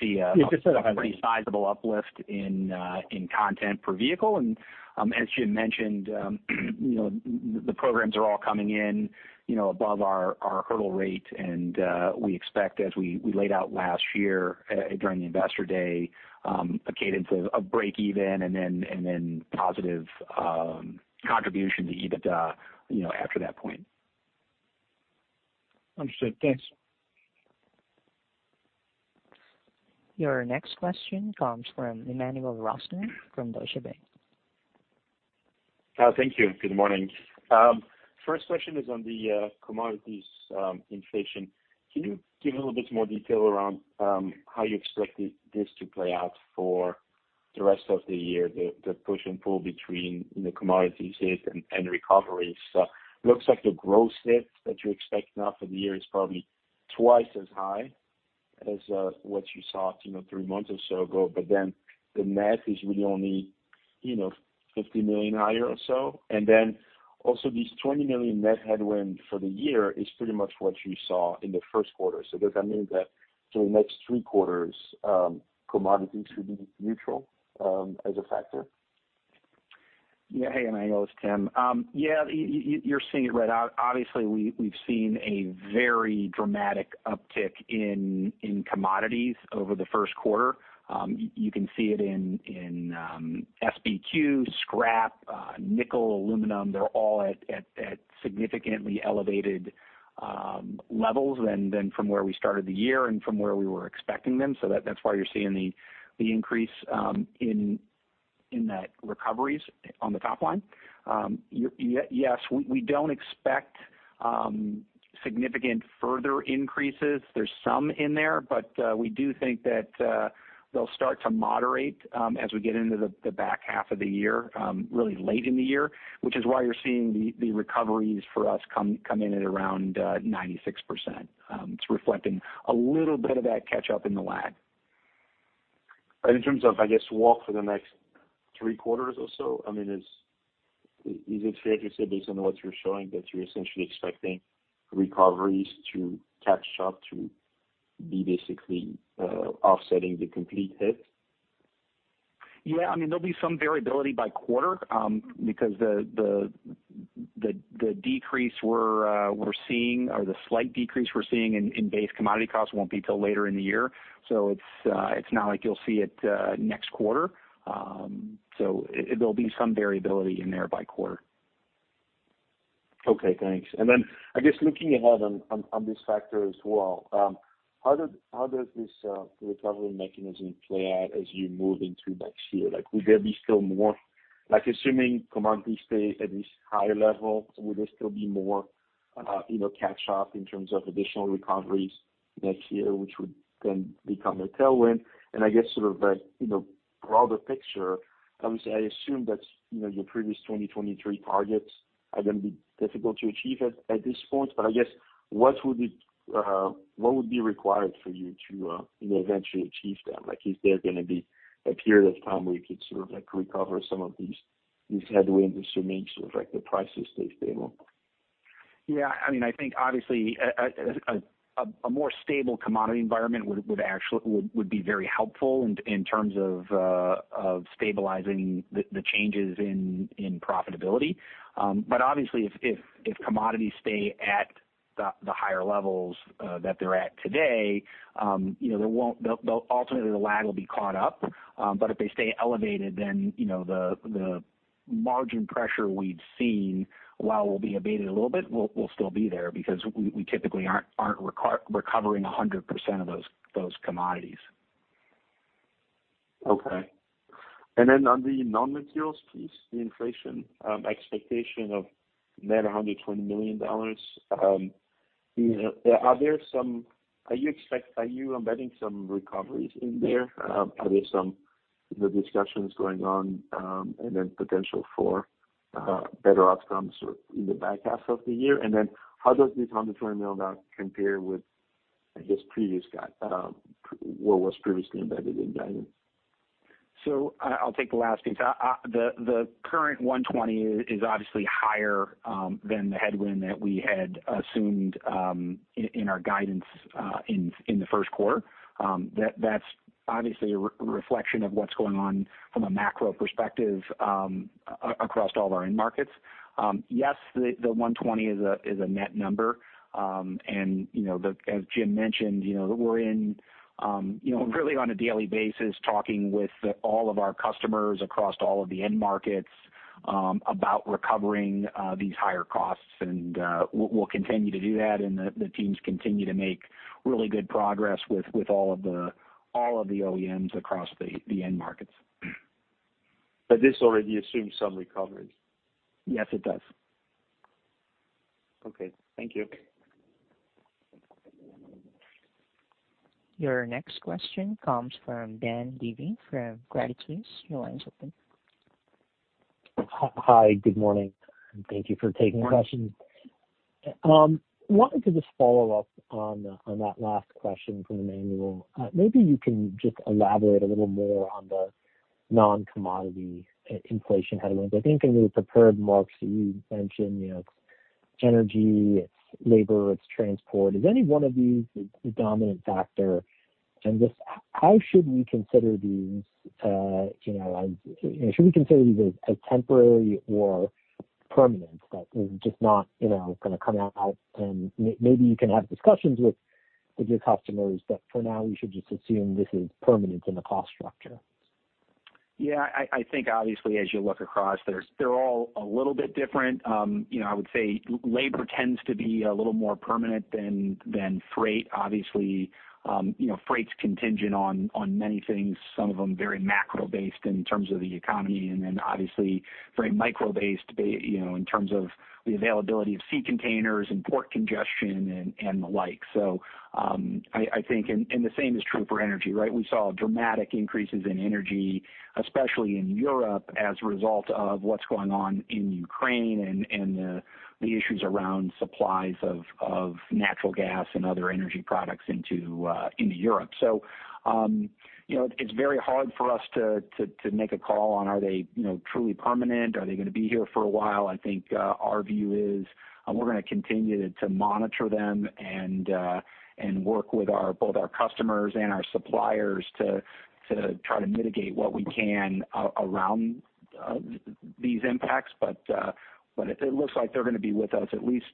see. Yeah. Just at a high level. A pretty sizable uplift in content per vehicle. As Jim mentioned, you know, the programs are all coming in, you know, above our hurdle rate. We expect, as we laid out last year, during the Investor Day, a cadence of breakeven and then positive contribution to EBITDA, you know, after that point. Understood. Thanks. Your next question comes from Emmanuel Rosner from Deutsche Bank. Thank you. Good morning. First question is on the commodities inflation. Can you give a little bit more detail around how you expect this to play out for the rest of the year, the push and pull between the commodities hit and recoveries? Looks like the growth hit that you expect now for the year is probably twice as high as what you saw, you know, three months or so ago. The net is really only, you know, $50 million higher or so. These $20 million net headwind for the year is pretty much what you saw in the first quarter. Does that mean that for the next three quarters, commodities will be neutral as a factor? Yeah. Hey, Emmanuel. It's Tim. Yeah, you're seeing it right. Obviously, we've seen a very dramatic uptick in commodities over the first quarter. You can see it in SBQ, scrap, nickel, aluminum. They're all at significantly elevated levels than from where we started the year and from where we were expecting them. That's why you're seeing the increase in that recoveries on the top line. Yes, we don't expect significant further increases. There's some in there, but we do think that they'll start to moderate as we get into the back half of the year, really late in the year, which is why you're seeing the recoveries for us come in at around 96%. It's reflecting a little bit of that catch-up in the lag. In terms of, I guess, walk for the next three quarters or so, I mean, is it fair to say, based on what you're showing, that you're essentially expecting recoveries to catch up to be basically offsetting the complete hit? Yeah, I mean, there'll be some variability by quarter, because the decrease we're seeing or the slight decrease we're seeing in base commodity costs won't be till later in the year. It's not like you'll see it next quarter. There'll be some variability in there by quarter. Okay, thanks. Then I guess looking ahead on this factor as well, how does this recovery mechanism play out as you move into next year? Like, assuming commodity stays at this higher level, will there still be more, you know, catch up in terms of additional recoveries next year, which would then become a tailwind? I guess sort of a you know, broader picture, obviously, I assume that, you know, your previous 2023 targets are gonna be difficult to achieve at this point. I guess what would be required for you to, you know, eventually achieve them? Like, is there gonna be a period of time where you could sort of like recover some of these headwinds, assuming sort of like the prices stay stable? Yeah, I mean, I think obviously a more stable commodity environment would be very helpful in terms of stabilizing the changes in profitability. Obviously if commodities stay at the higher levels that they're at today, you know, they'll ultimately the lag will be caught up. If they stay elevated then, you know, the margin pressure we've seen while will be abated a little bit, will still be there because we typically aren't recovering 100% of those commodities. Okay. Then on the non-materials piece, the inflation expectation of net $120 million, are you embedding some recoveries in there? Are there some, you know, discussions going on, and then potential for better outcomes in the back half of the year? How does this $120 million compare with, I guess, previous guide, what was previously embedded in guidance? I'll take the last piece. The current $120 is obviously higher than the headwind that we had assumed in our guidance in the first quarter. That's obviously a reflection of what's going on from a macro perspective across all of our end markets. Yes, the $120 is a net number. As Jim mentioned, you know, we're really on a daily basis talking with all of our customers across all of the end markets about recovering these higher costs. We'll continue to do that. The teams continue to make really good progress with all of the OEMs across the end markets. This already assumes some recovery. Yes, it does. Okay. Thank you. Your next question comes from Dan Levy from Credit Suisse. Your line's open. Hi. Good morning. Thank you for taking the question. Wanted to just follow up on that last question from Emmanuel. Maybe you can just elaborate a little more on the non-commodity inflation headwinds. I think in your prepared remarks that you mentioned, you know, it's energy, it's labor, it's transport. Is any one of these the dominant factor? Just how should we consider these, you know, as temporary or permanent, that they're just not, you know, gonna come out and maybe you can have discussions with your customers, but for now we should just assume this is permanent in the cost structure? Yeah, I think obviously as you look across, they're all a little bit different. You know, I would say labor tends to be a little more permanent than freight. Obviously, you know, freight's contingent on many things, some of them very macro based in terms of the economy, and then obviously very micro based, you know, in terms of the availability of sea containers and port congestion and the like. I think the same is true for energy, right? We saw dramatic increases in energy, especially in Europe, as a result of what's going on in Ukraine and the issues around supplies of natural gas and other energy products into Europe. You know, it's very hard for us to make a call on are they truly permanent? Are they gonna be here for a while? I think our view is we're gonna continue to monitor them and work with both our customers and our suppliers to try to mitigate what we can around these impacts. But it looks like they're gonna be with us at least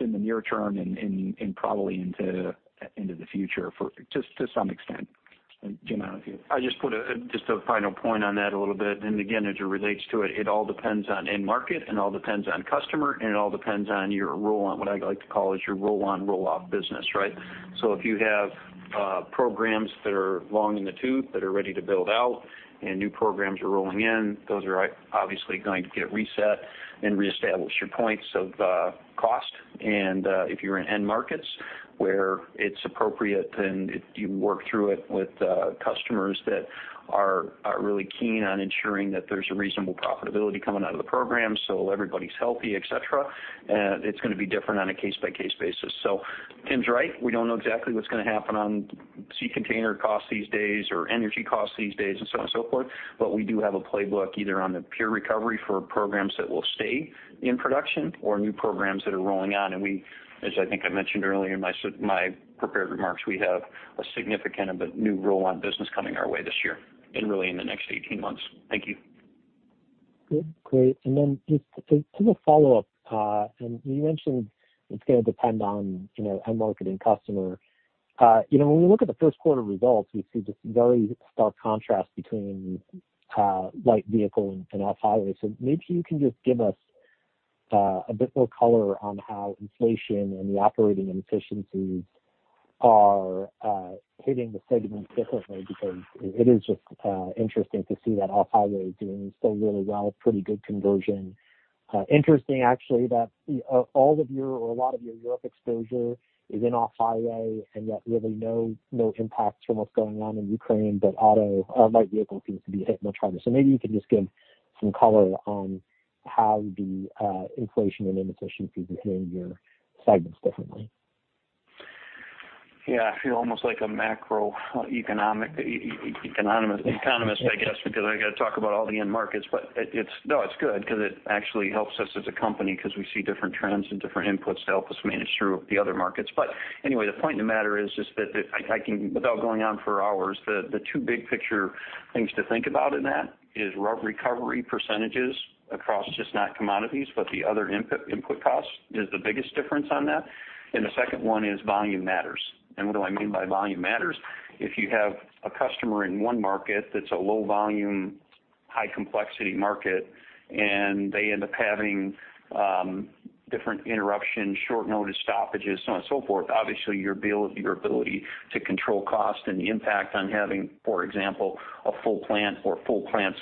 in the near term and probably into the future to some extent. Jim, I don't know if you- I just put just a final point on that a little bit. Again, as it relates to it all depends on end market, it all depends on customer, and it all depends on your roll on, what I like to call is your roll-on roll-off business, right? If you have programs that are long in the tooth that are ready to build out and new programs are rolling in, those are obviously going to get reset and reestablish your points of cost. If you're in end markets where it's appropriate, then you work through it with customers that are really keen on ensuring that there's a reasonable profitability coming out of the program, so everybody's healthy, et cetera. It's gonna be different on a case-by-case basis. Tim's right. We don't know exactly what's gonna happen on sea container costs these days or energy costs these days and so on and so forth. We do have a playbook either on the price recovery for programs that will stay in production or new programs that are rolling on. We, as I think I mentioned earlier in my prepared remarks, we have a significant of a new roll-on business coming our way this year and really in the next 18 months. Thank you. Good. Great. Just to the follow-up, and you mentioned it's gonna depend on, you know, end market and customer. You know, when we look at the first quarter results, we see this very stark contrast between Light Vehicle and Off-Highway. Maybe you can just give us a bit more color on how inflation and the operating inefficiencies are hitting the segments differently. Because it is just interesting to see that Off-Highway is doing so really well, pretty good conversion. Interesting actually, that all of your or a lot of your Europe exposure is in Off-Highway and yet really no impacts from what's going on in Ukraine, but auto Light Vehicle seems to be hit much harder. Maybe you can just give some color on how the inflation and inefficiencies are hitting your segments differently. Yeah, I feel almost like a macroeconomic economist, I guess, because I gotta talk about all the end markets. No, it's good 'cause it actually helps us as a company 'cause we see different trends and different inputs to help us manage through the other markets. Anyway, the point of the matter is that if I can, without going on for hours, the two big picture things to think about in that is recovery percentages across just not commodities, but the other input costs is the biggest difference on that. The second one is volume matters. What do I mean by volume matters? If you have a customer in one market that's a low volume, high complexity market, and they end up having different interruptions, short notice stoppages, so on and so forth, obviously your ability to control cost and the impact on having, for example, a full plant or full plants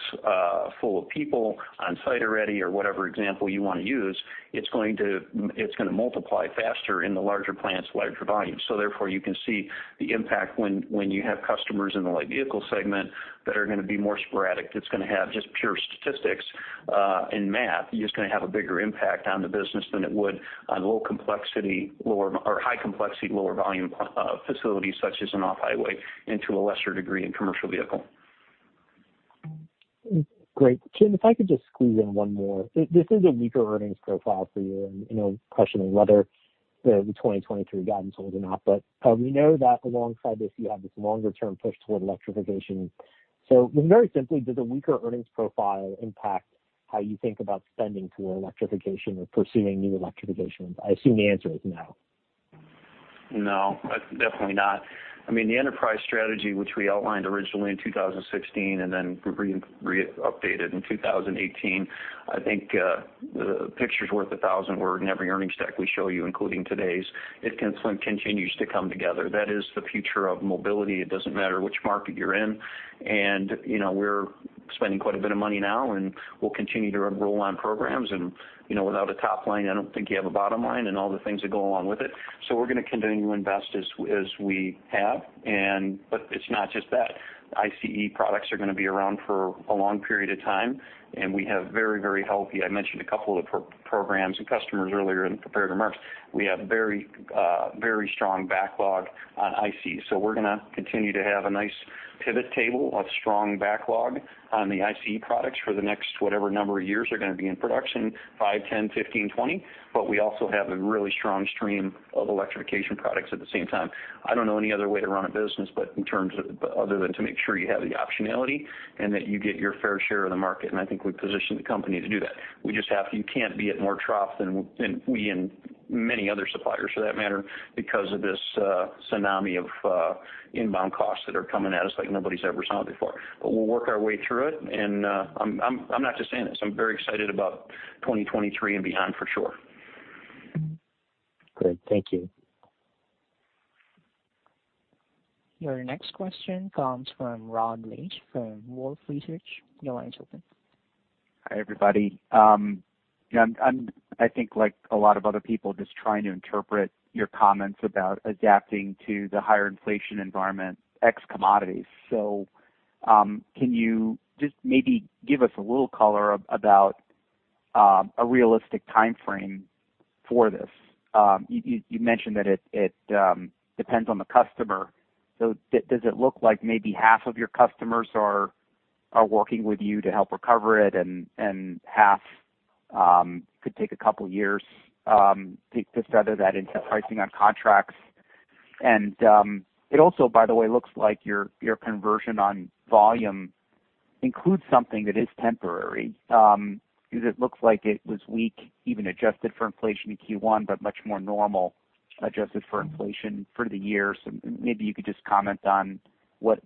full of people on site already or whatever example you wanna use, it's gonna multiply faster in the larger plants, larger volumes. Therefore, you can see the impact when you have customers in the Light Vehicle segment that are gonna be more sporadic, that's gonna have just pure statistics and math, you're just gonna have a bigger impact on the business than it would on low complexity or high complexity, lower volume facilities such as an Off-Highway and to a lesser degree in Commercial Vehicle. Great. Tim, if I could just squeeze in one more. This is a weaker earnings profile for you, and you know, questioning whether the 2023 guidance holds or not. We know that alongside this you have this longer term push toward electrification. Very simply, does a weaker earnings profile impact how you think about spending toward electrification or pursuing new electrifications? I assume the answer is no. No, definitely not. I mean, the enterprise strategy, which we outlined originally in 2016 and then re-updated in 2018, I think, the picture's worth a thousand words in every earnings deck we show you, including today's. It continues to come together. That is the future of mobility. It doesn't matter which market you're in. You know, we're spending quite a bit of money now, and we'll continue to roll on programs. You know, without a top line, I don't think you have a bottom line and all the things that go along with it. We're gonna continue to invest as we have. It's not just that. ICE products are gonna be around for a long period of time, and we have very, very healthy. I mentioned a couple of programs and customers earlier in prepared remarks. We have very, very strong backlog on ICE. We're gonna continue to have a nice viable tail of strong backlog on the ICE products for the next whatever number of years they're gonna be in production, five, 10, 15, 20. We also have a really strong stream of electrification products at the same time. I don't know any other way to run a business other than to make sure you have the optionality and that you get your fair share of the market, and I think we've positioned the company to do that. We just have to. You can't be at more trough than we and many other suppliers for that matter because of this tsunami of inbound costs that are coming at us like nobody's ever saw before. We'll work our way through it, and I'm not just saying this. I'm very excited about 2023 and beyond for sure. Great. Thank you. Your next question comes from Rod Lache from Wolfe Research. Your line is open. Hi, everybody. Yeah, I'm I think like a lot of other people, just trying to interpret your comments about adapting to the higher inflation environment ex commodities. So, can you just maybe give us a little color about a realistic timeframe for this? You mentioned that it depends on the customer. So does it look like maybe half of your customers are working with you to help recover it and half could take a couple years to feather that into pricing on contracts. It also, by the way, looks like your conversion on volume includes something that is temporary, because it looks like it was weak, even adjusted for inflation in Q1, but much more normal adjusted for inflation for the year. Maybe you could just comment on what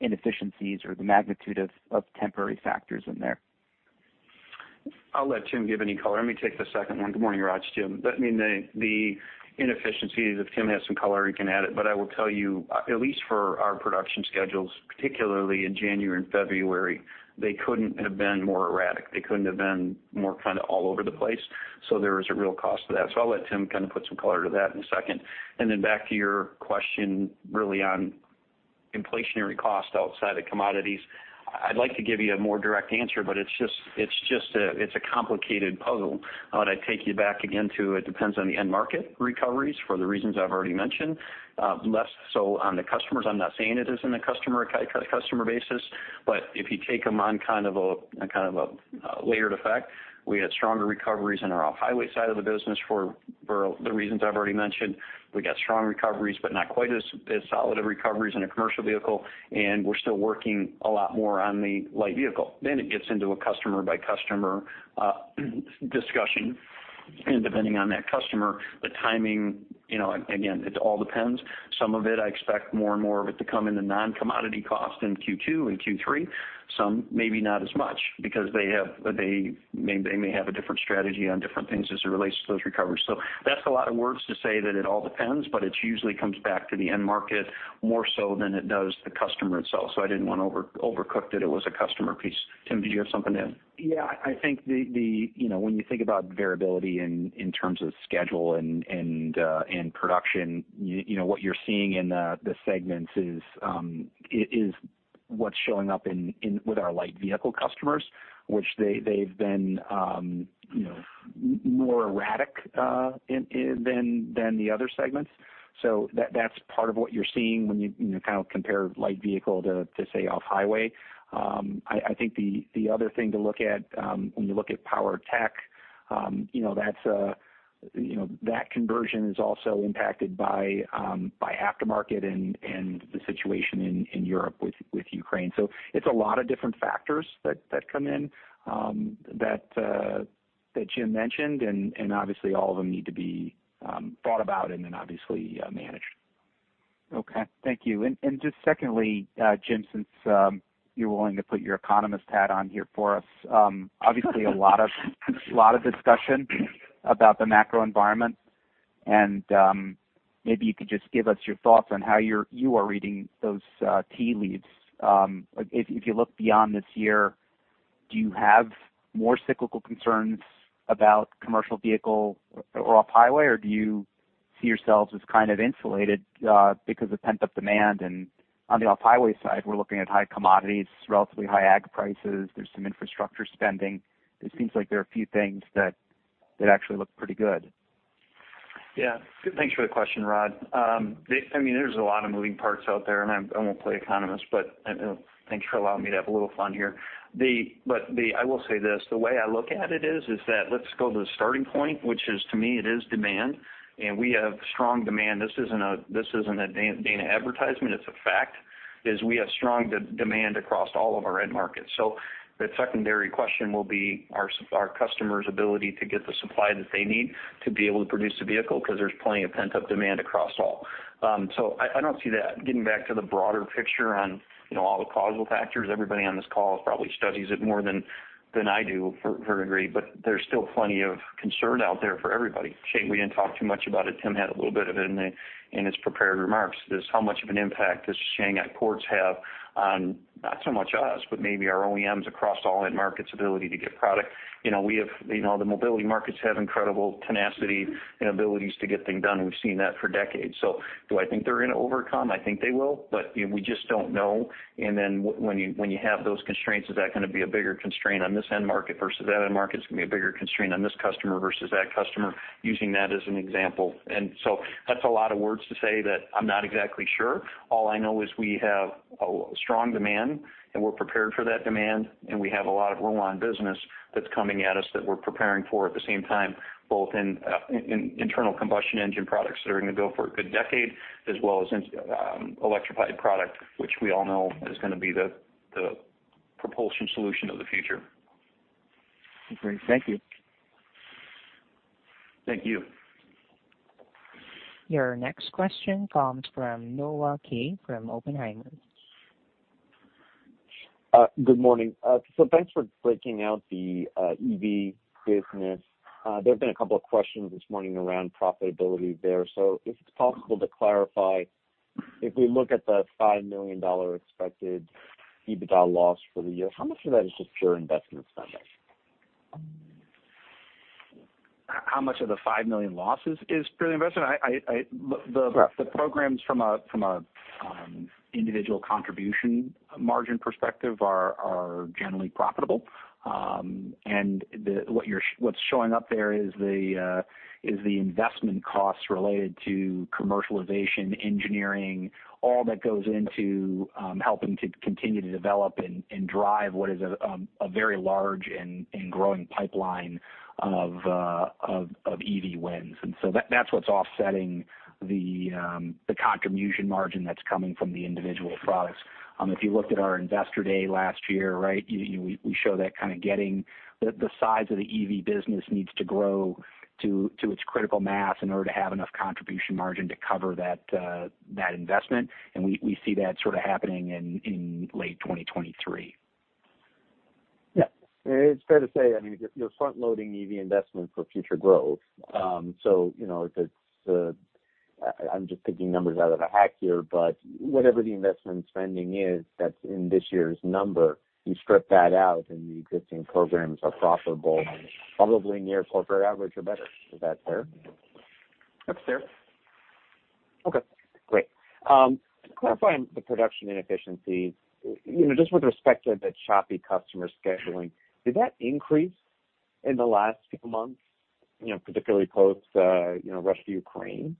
inefficiencies or the magnitude of temporary factors in there. I'll let Tim give any color. Let me take the second one. Good morning, Rod. Jim. I mean the inefficiencies, if Tim has some color, he can add it. I will tell you, at least for our production schedules, particularly in January and February, they couldn't have been more erratic. They couldn't have been more kind of all over the place. There was a real cost to that. I'll let Tim kind of put some color to that in a second. Then back to your question really on inflationary cost outside of commodities. I'd like to give you a more direct answer, but it's just a complicated puzzle. I'd take you back again to it depends on the end market recoveries for the reasons I've already mentioned. Less so on the customers. I'm not saying it isn't a customer basis, but if you take them on kind of a layered effect, we had stronger recoveries in our Off-Highway side of the business for the reasons I've already mentioned. We got strong recoveries but not quite as solid of recoveries in a Commercial Vehicle, and we're still working a lot more on the Light Vehicle. It gets into a customer by customer discussion. Depending on that customer, the timing, you know, again, it all depends. Some of it, I expect more and more of it to come in the non-commodity cost in Q2 and Q3. Some maybe not as much because they may have a different strategy on different things as it relates to those recoveries. That's a lot of words to say that it all depends, but it usually comes back to the end market more so than it does the customer itself. I didn't want to overcook that it was a customer piece. Tim, did you have something to add? Yeah, I think the you know, when you think about variability in terms of schedule and production, you know what you're seeing in the segments is what's showing up with our Light Vehicle customers, which they've been you know more erratic than the other segments. That's part of what you're seeing when you know kind of compare Light Vehicle to say Off-Highway. I think the other thing to look at when you look at Power Tech, you know that's you know that conversion is also impacted by aftermarket and the situation in Europe with Ukraine. It's a lot of different factors that come in that Jim mentioned. Obviously all of them need to be thought about and then obviously managed. Okay. Thank you. Just secondly, Jim, since you're willing to put your economist hat on here for us, obviously a lot of discussion about the macro environment, and maybe you could just give us your thoughts on how you are reading those tea leaves. If you look beyond this year, do you have more cyclical concerns about Commercial Vehicle or Off-Highway, or do you see yourselves as kind of insulated because of pent-up demand? On the Off-Highway side, we're looking at high commodities, relatively high ag prices. There's some infrastructure spending. It seems like there are a few things that actually look pretty good. Yeah. Thanks for the question, Rod. I mean, there's a lot of moving parts out there, and I won't play economist, but thanks for allowing me to have a little fun here. I will say this, the way I look at it is that let's go to the starting point, which is to me it is demand, and we have strong demand. This isn't a Dana advertisement, it's a fact, is we have strong demand across all of our end markets. The secondary question will be our customers' ability to get the supply that they need to be able to produce the vehicle because there's plenty of pent-up demand across all. I don't see that getting back to the broader picture on, you know, all the causal factors. Everybody on this call probably studies it more than I do for a degree, but there's still plenty of concern out there for everybody. Shanghai, we didn't talk too much about it. Tim had a little bit of it in his prepared remarks. Is how much of an impact does Shanghai port have on not so much us, but maybe our OEMs across all end markets' ability to get product. You know, the mobility markets have incredible tenacity and abilities to get things done. We've seen that for decades. Do I think they're going to overcome? I think they will, but, you know, we just don't know. Then when you have those constraints, is that going to be a bigger constraint on this end market versus that end market? It's going to be a bigger constraint on this customer versus that customer, using that as an example. That's a lot of words to say that I'm not exactly sure. All I know is we have a strong demand, and we're prepared for that demand. We have a lot of new business that's coming at us that we're preparing for at the same time, both in internal combustion engine products that are going to go for a good decade, as well as in electrified product, which we all know is gonna be the propulsion solution of the future. Great. Thank you. Thank you. Your next question comes from Noah Kaye from Oppenheimer. Good morning. Thanks for breaking out the EV business. There have been a couple of questions this morning around profitability there. If it's possible to clarify, if we look at the $5 million expected EBITDA loss for the year, how much of that is just pure investment spending? How much of the $5 million losses is pure investment? I the programs from a. Individual contribution margin perspective are generally profitable. What's showing up there is the investment costs related to commercialization, engineering, all that goes into helping to continue to develop and drive what is a very large and growing pipeline of EV wins. That's what's offsetting the contribution margin that's coming from the individual products. If you looked at our Investor Day last year, right, you know, we show that kind of getting the size of the EV business needs to grow to its critical mass in order to have enough contribution margin to cover that investment. We see that sort of happening in late 2023. Yeah. It's fair to say, I mean, you're front-loading EV investment for future growth. You know, if it's, I'm just picking numbers out of a hat here, but whatever the investment spending is that's in this year's number, you strip that out and the existing programs are profitable, probably near corporate average or better. Is that fair? That's fair. Okay, great. To clarify the production inefficiency, you know, just with respect to the choppy customer scheduling, did that increase in the last few months, you know, particularly post, you know, Russia-Ukraine?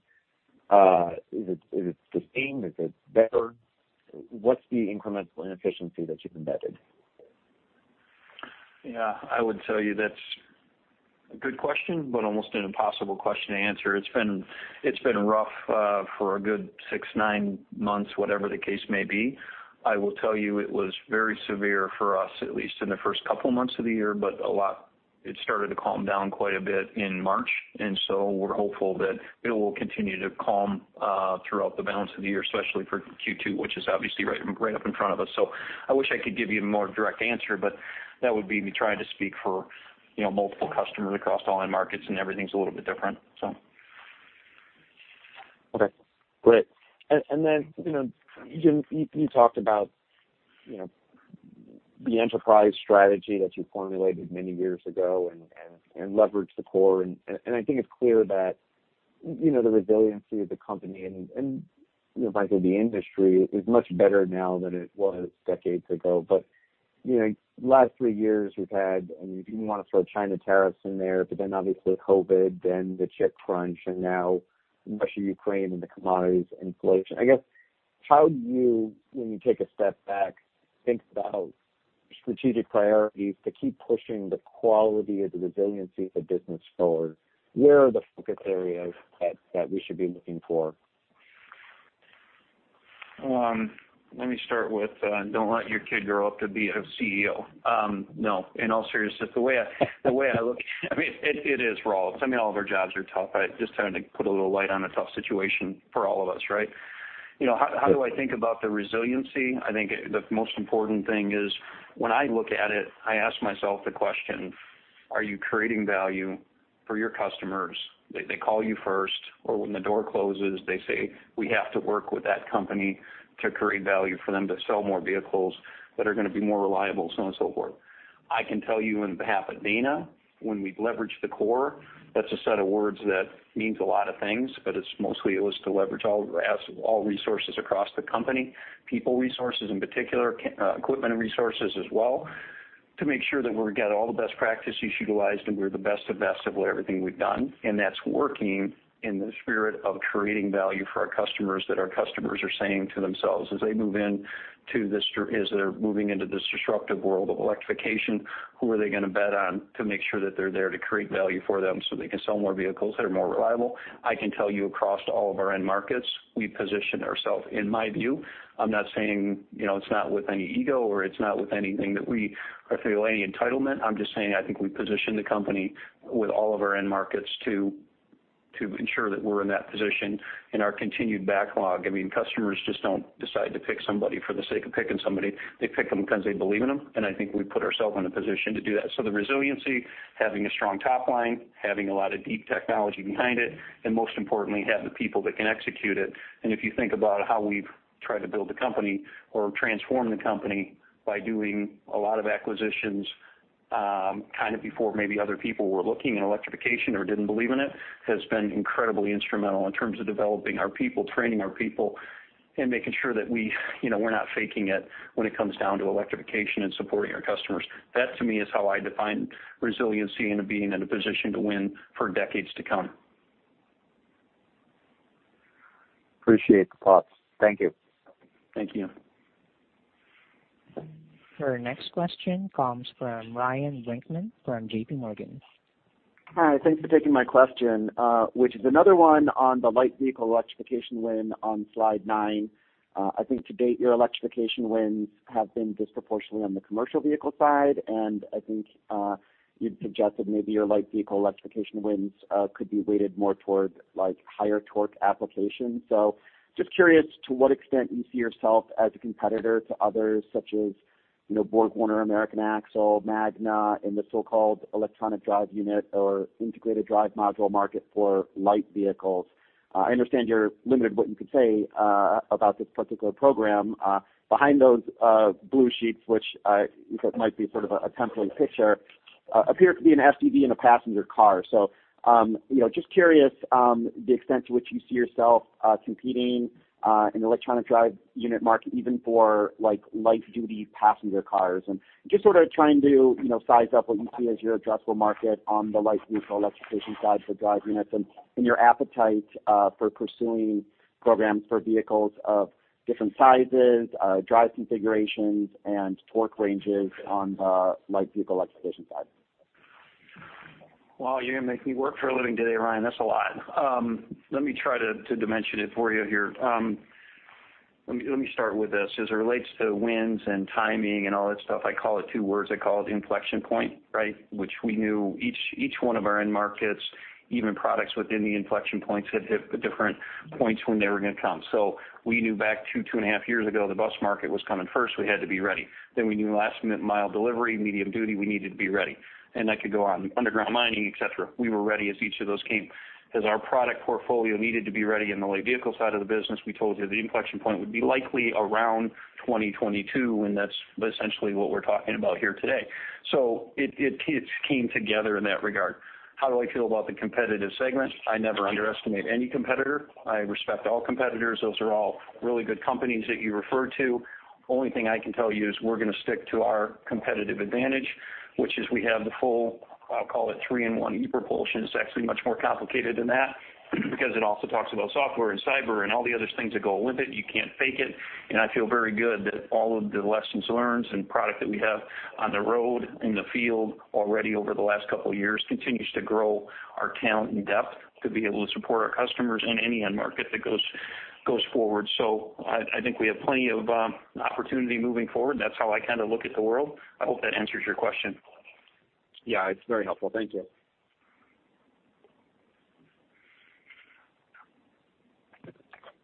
Is it the same? Is it better? What's the incremental inefficiency that you've embedded? I would tell you that's a good question, but almost an impossible question to answer. It's been rough for a good 6-9 months, whatever the case may be. I will tell you it was very severe for us, at least in the first couple months of the year, but a lot, it started to calm down quite a bit in March. We're hopeful that it will continue to calm throughout the balance of the year, especially for Q2, which is obviously right up in front of us. I wish I could give you a more direct answer, but that would be me trying to speak for, you know, multiple customers across all end markets, and everything's a little bit different. Okay, great. Then, you know, Jim, you talked about, you know, the enterprise strategy that you formulated many years ago and leveraged the core. I think it's clear that, you know, the resiliency of the company and you know, frankly, the industry is much better now than it was decades ago. You know, last three years, we've had, I mean, if you wanna throw China tariffs in there, but then obviously COVID, then the chip crunch, and now Russia-Ukraine and the commodities inflation. I guess, how do you, when you take a step back, think about strategic priorities to keep pushing the quality of the resiliency of the business forward? Where are the focus areas that we should be looking for? Let me start with, don't let your kid grow up to be a CEO. No, in all seriousness, the way I look, I mean, it is raw. I mean, all of our jobs are tough. I just tend to put a little light on a tough situation for all of us, right? You know, how do I think about the resiliency? I think the most important thing is when I look at it, I ask myself the question, are you creating value for your customers? They call you first, or when the door closes, they say, "We have to work with that company to create value for them to sell more vehicles that are gonna be more reliable," so on and so forth. I can tell you on behalf of Dana, when we leverage the core, that's a set of words that means a lot of things, but it's mostly it was to leverage all resources across the company, people resources in particular, equipment and resources as well, to make sure that we've got all the best practices utilized and we're the best of everything we've done. That's working in the spirit of creating value for our customers, that our customers are saying to themselves, as they're moving into this disruptive world of electrification, who are they gonna bet on to make sure that they're there to create value for them so they can sell more vehicles that are more reliable? I can tell you across all of our end markets, we position ourself, in my view. I'm not saying, you know, it's not with any ego, or it's not with anything that we are feeling any entitlement. I'm just saying I think we position the company with all of our end markets to ensure that we're in that position in our continued backlog. I mean, customers just don't decide to pick somebody for the sake of picking somebody. They pick them because they believe in them, and I think we put ourself in a position to do that. The resiliency, having a strong top line, having a lot of deep technology behind it, and most importantly, have the people that can execute it. If you think about how we've tried to build the company or transform the company by doing a lot of acquisitions, kind of before maybe other people were looking at electrification or didn't believe in it, has been incredibly instrumental in terms of developing our people, training our people, and making sure that we, you know, we're not faking it when it comes down to electrification and supporting our customers. That, to me, is how I define resiliency and being in a position to win for decades to come. Appreciate the thoughts. Thank you. Thank you. Our next question comes from Ryan Brinkman from J.P. Morgan. Hi. Thanks for taking my question, which is another one on the Light Vehicle electrification win on slide nine. I think to date, your electrification wins have been disproportionately on the Commercial Vehicle side, and I think, you'd suggested maybe your Light Vehicle electrification wins could be weighted more toward, like, higher torque applications. Just curious to what extent you see yourself as a competitor to others such as, you know, BorgWarner, American Axle, Magna in the so-called electronic drive unit or integrated drive module market for Light Vehicles. I understand you're limited what you can say about this particular program. Behind those blue sheets, which you said might be sort of a template picture appear to be an SUV and a passenger car. You know, just curious, the extent to which you see yourself competing in electric drive unit market, even for like light-duty passenger cars and just sort of trying to, you know, size up what you see as your addressable market on the Light Vehicle electrification side for drive units and your appetite for pursuing programs for vehicles of different sizes, drive configurations, and torque ranges on the Light Vehicle electrification side. Well, you're gonna make me work for a living today, Ryan. That's a lot. Let me try to dimension it for you here. Let me start with this. As it relates to wins and timing and all that stuff, I call it two words. I call it inflection point, right? Which we knew each one of our end markets, even products within the inflection points had hit the different points when they were gonna come. We knew back two, two and a half years ago, the bus market was coming first. We had to be ready. We knew last mile delivery, medium-duty, we needed to be ready, and I could go on underground mining, et cetera. We were ready as each of those came. As our product portfolio needed to be ready in the Light Vehicle side of the business, we told you the inflection point would be likely around 2022, and that's essentially what we're talking about here today. It came together in that regard. How do I feel about the competitive segment? I never underestimate any competitor. I respect all competitors. Those are all really good companies that you refer to. Only thing I can tell you is we're gonna stick to our competitive advantage, which is we have the full, I'll call it three in one e-Propulsion. It's actually much more complicated than that because it also talks about software and cyber and all the other things that go with it. You can't fake it, and I feel very good that all of the lessons learned and product that we have on the road, in the field already over the last couple of years continues to grow our talent and depth to be able to support our customers in any end market that goes forward. I think we have plenty of opportunity moving forward. That's how I kinda look at the world. I hope that answers your question. Yeah, it's very helpful. Thank you.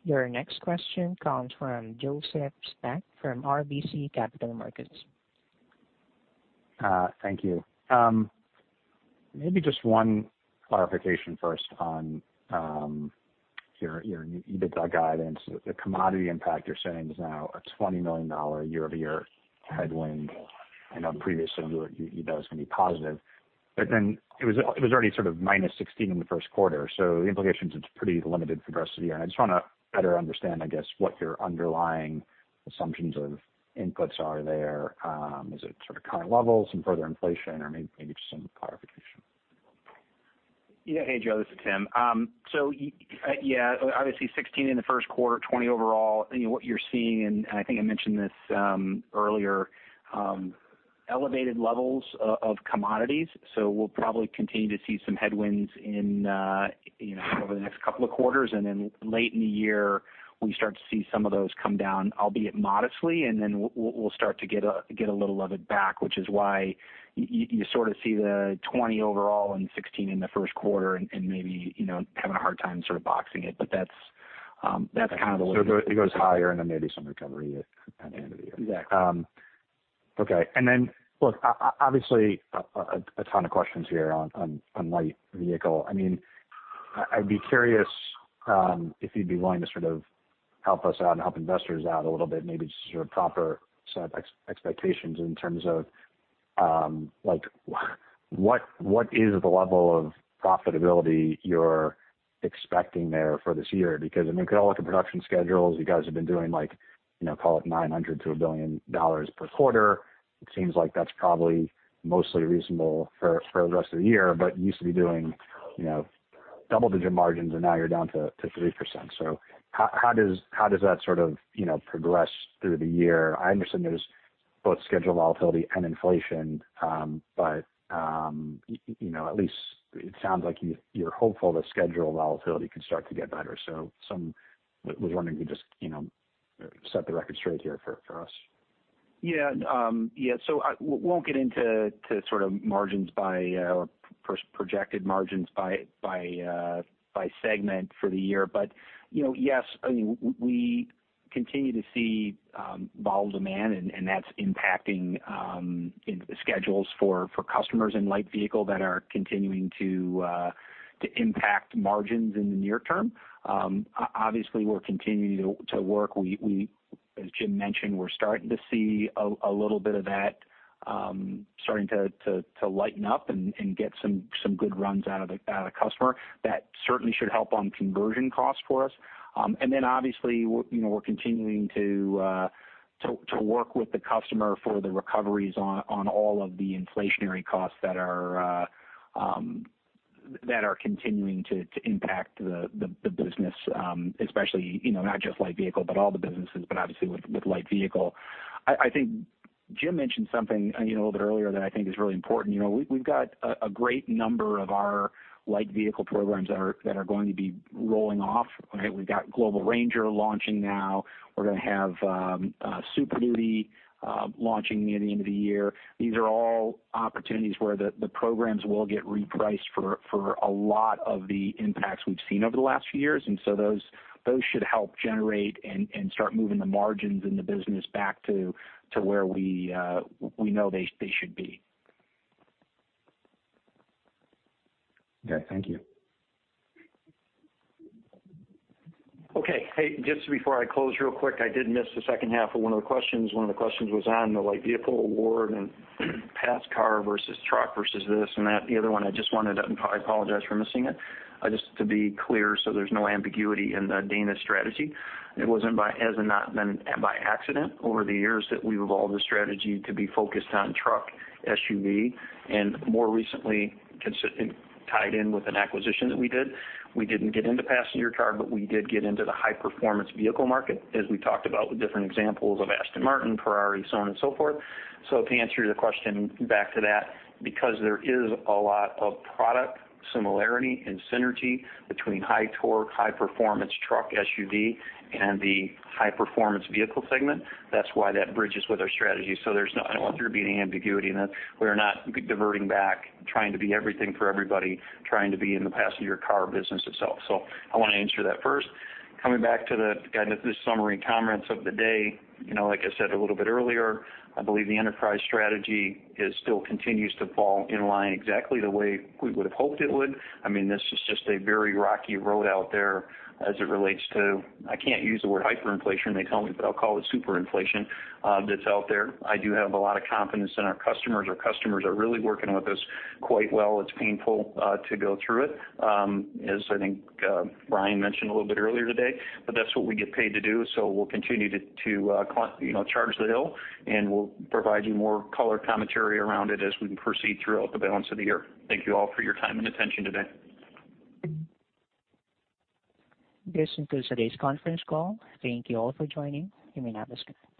Your next question comes from Joseph Spak from RBC Capital Markets. Thank you. Maybe just one clarification first on your EBITDA guidance. The commodity impact you're saying is now a $20 million year-over-year headwind. I know previously EBITDA was gonna be positive, but then it was already sort of $-16 million in the first quarter. The implication is it's pretty limited for the rest of the year. I just wanna better understand, I guess, what your underlying assumptions of inputs are there. Is it sort of current levels and further inflation or maybe just some clarification? Yeah. Hey, Joe, this is Tim. Yeah, obviously 16 in the first quarter, 20 overall. You know what you're seeing, and I think I mentioned this earlier, elevated levels of commodities. We'll probably continue to see some headwinds in, you know, over the next couple of quarters. Late in the year we start to see some of those come down, albeit modestly, and then we'll start to get a little of it back, which is why you sort of see the 20 overall and 16 in the first quarter and maybe, you know, having a hard time sort of boxing it. That's kind of the way. It goes higher and then maybe some recovery at the end of the year. Exactly. Okay. Look, obviously a ton of questions here on Light Vehicle. I mean, I'd be curious if you'd be willing to sort of help us out and help investors out a little bit, maybe to sort of properly set expectations in terms of, like what is the level of profitability you're expecting there for this year? Because, I mean, we can all look at production schedules. You guys have been doing like, you know, call it $900 million-$1 billion per quarter. It seems like that's probably mostly reasonable for the rest of the year. You used to be doing, you know, double-digit margins and now you're down to 3%. How does that sort of, you know, progress through the year? I understand there's both schedule volatility and inflation, but you know, at least it sounds like you're hopeful that schedule volatility can start to get better. Was wondering could just, you know, set the record straight here for us. Yeah. We won't get into sort of margins by or projected margins by segment for the year. You know, yes, I mean, we continue to see volatile demand and that's impacting you know, the schedules for customers in Light Vehicle that are continuing to impact margins in the near term. Obviously, we're continuing to work. We, as Jim mentioned, we're starting to see a little bit of that starting to lighten up and get some good runs out of customer. That certainly should help on conversion costs for us. Obviously, you know, we're continuing to work with the customer for the recoveries on all of the inflationary costs that are continuing to impact the business, especially, you know, not just Light Vehicle, but all the businesses, but obviously with Light Vehicle. I think Jim mentioned something, you know, a little bit earlier that I think is really important. You know, we've got a great number of our Light Vehicle programs that are going to be rolling off. Right? We've got Global Ranger launching now. We're gonna have Super Duty launching near the end of the year. These are all opportunities where the programs will get repriced for a lot of the impacts we've seen over the last few years, and so those should help generate and start moving the margins in the business back to where we know they should be. Okay. Thank you. Hey, just before I close real quick, I did miss the second half of one of the questions. One of the questions was on the Light Vehicle award and passenger car versus truck versus this and that. The other one, I just wanted to, and I apologize for missing it. Just to be clear so there's no ambiguity in the Dana strategy. It has not been by accident over the years that we've evolved the strategy to be focused on truck, SUV, and more recently, consistently tied in with an acquisition that we did. We didn't get into passenger car, but we did get into the high-performance vehicle market, as we talked about with different examples of Aston Martin, Ferrari, so on and so forth. To answer your question back to that, because there is a lot of product similarity and synergy between high torque, high performance truck, SUV, and the high-performance vehicle segment, that's why that bridges with our strategy. There's no ambiguity in that. I don't want there being ambiguity in that. We are not diverting back, trying to be everything for everybody, trying to be in the passenger car business itself. I wanna answer that first. Coming back to the kind of this summary comments of the day. You know, like I said a little bit earlier, I believe the enterprise strategy is still continues to fall in line exactly the way we would've hoped it would. I mean, this is just a very rocky road out there as it relates to, I can't use the word hyperinflation, they tell me, but I'll call it super inflation, that's out there. I do have a lot of confidence in our customers. Our customers are really working with us quite well. It's painful to go through it, as I think Ryan mentioned a little bit earlier today, but that's what we get paid to do. We'll continue to, you know, charge the hill, and we'll provide you more color commentary around it as we proceed throughout the balance of the year. Thank you all for your time and attention today. This concludes today's conference call. Thank you all for joining. You may now disconnect.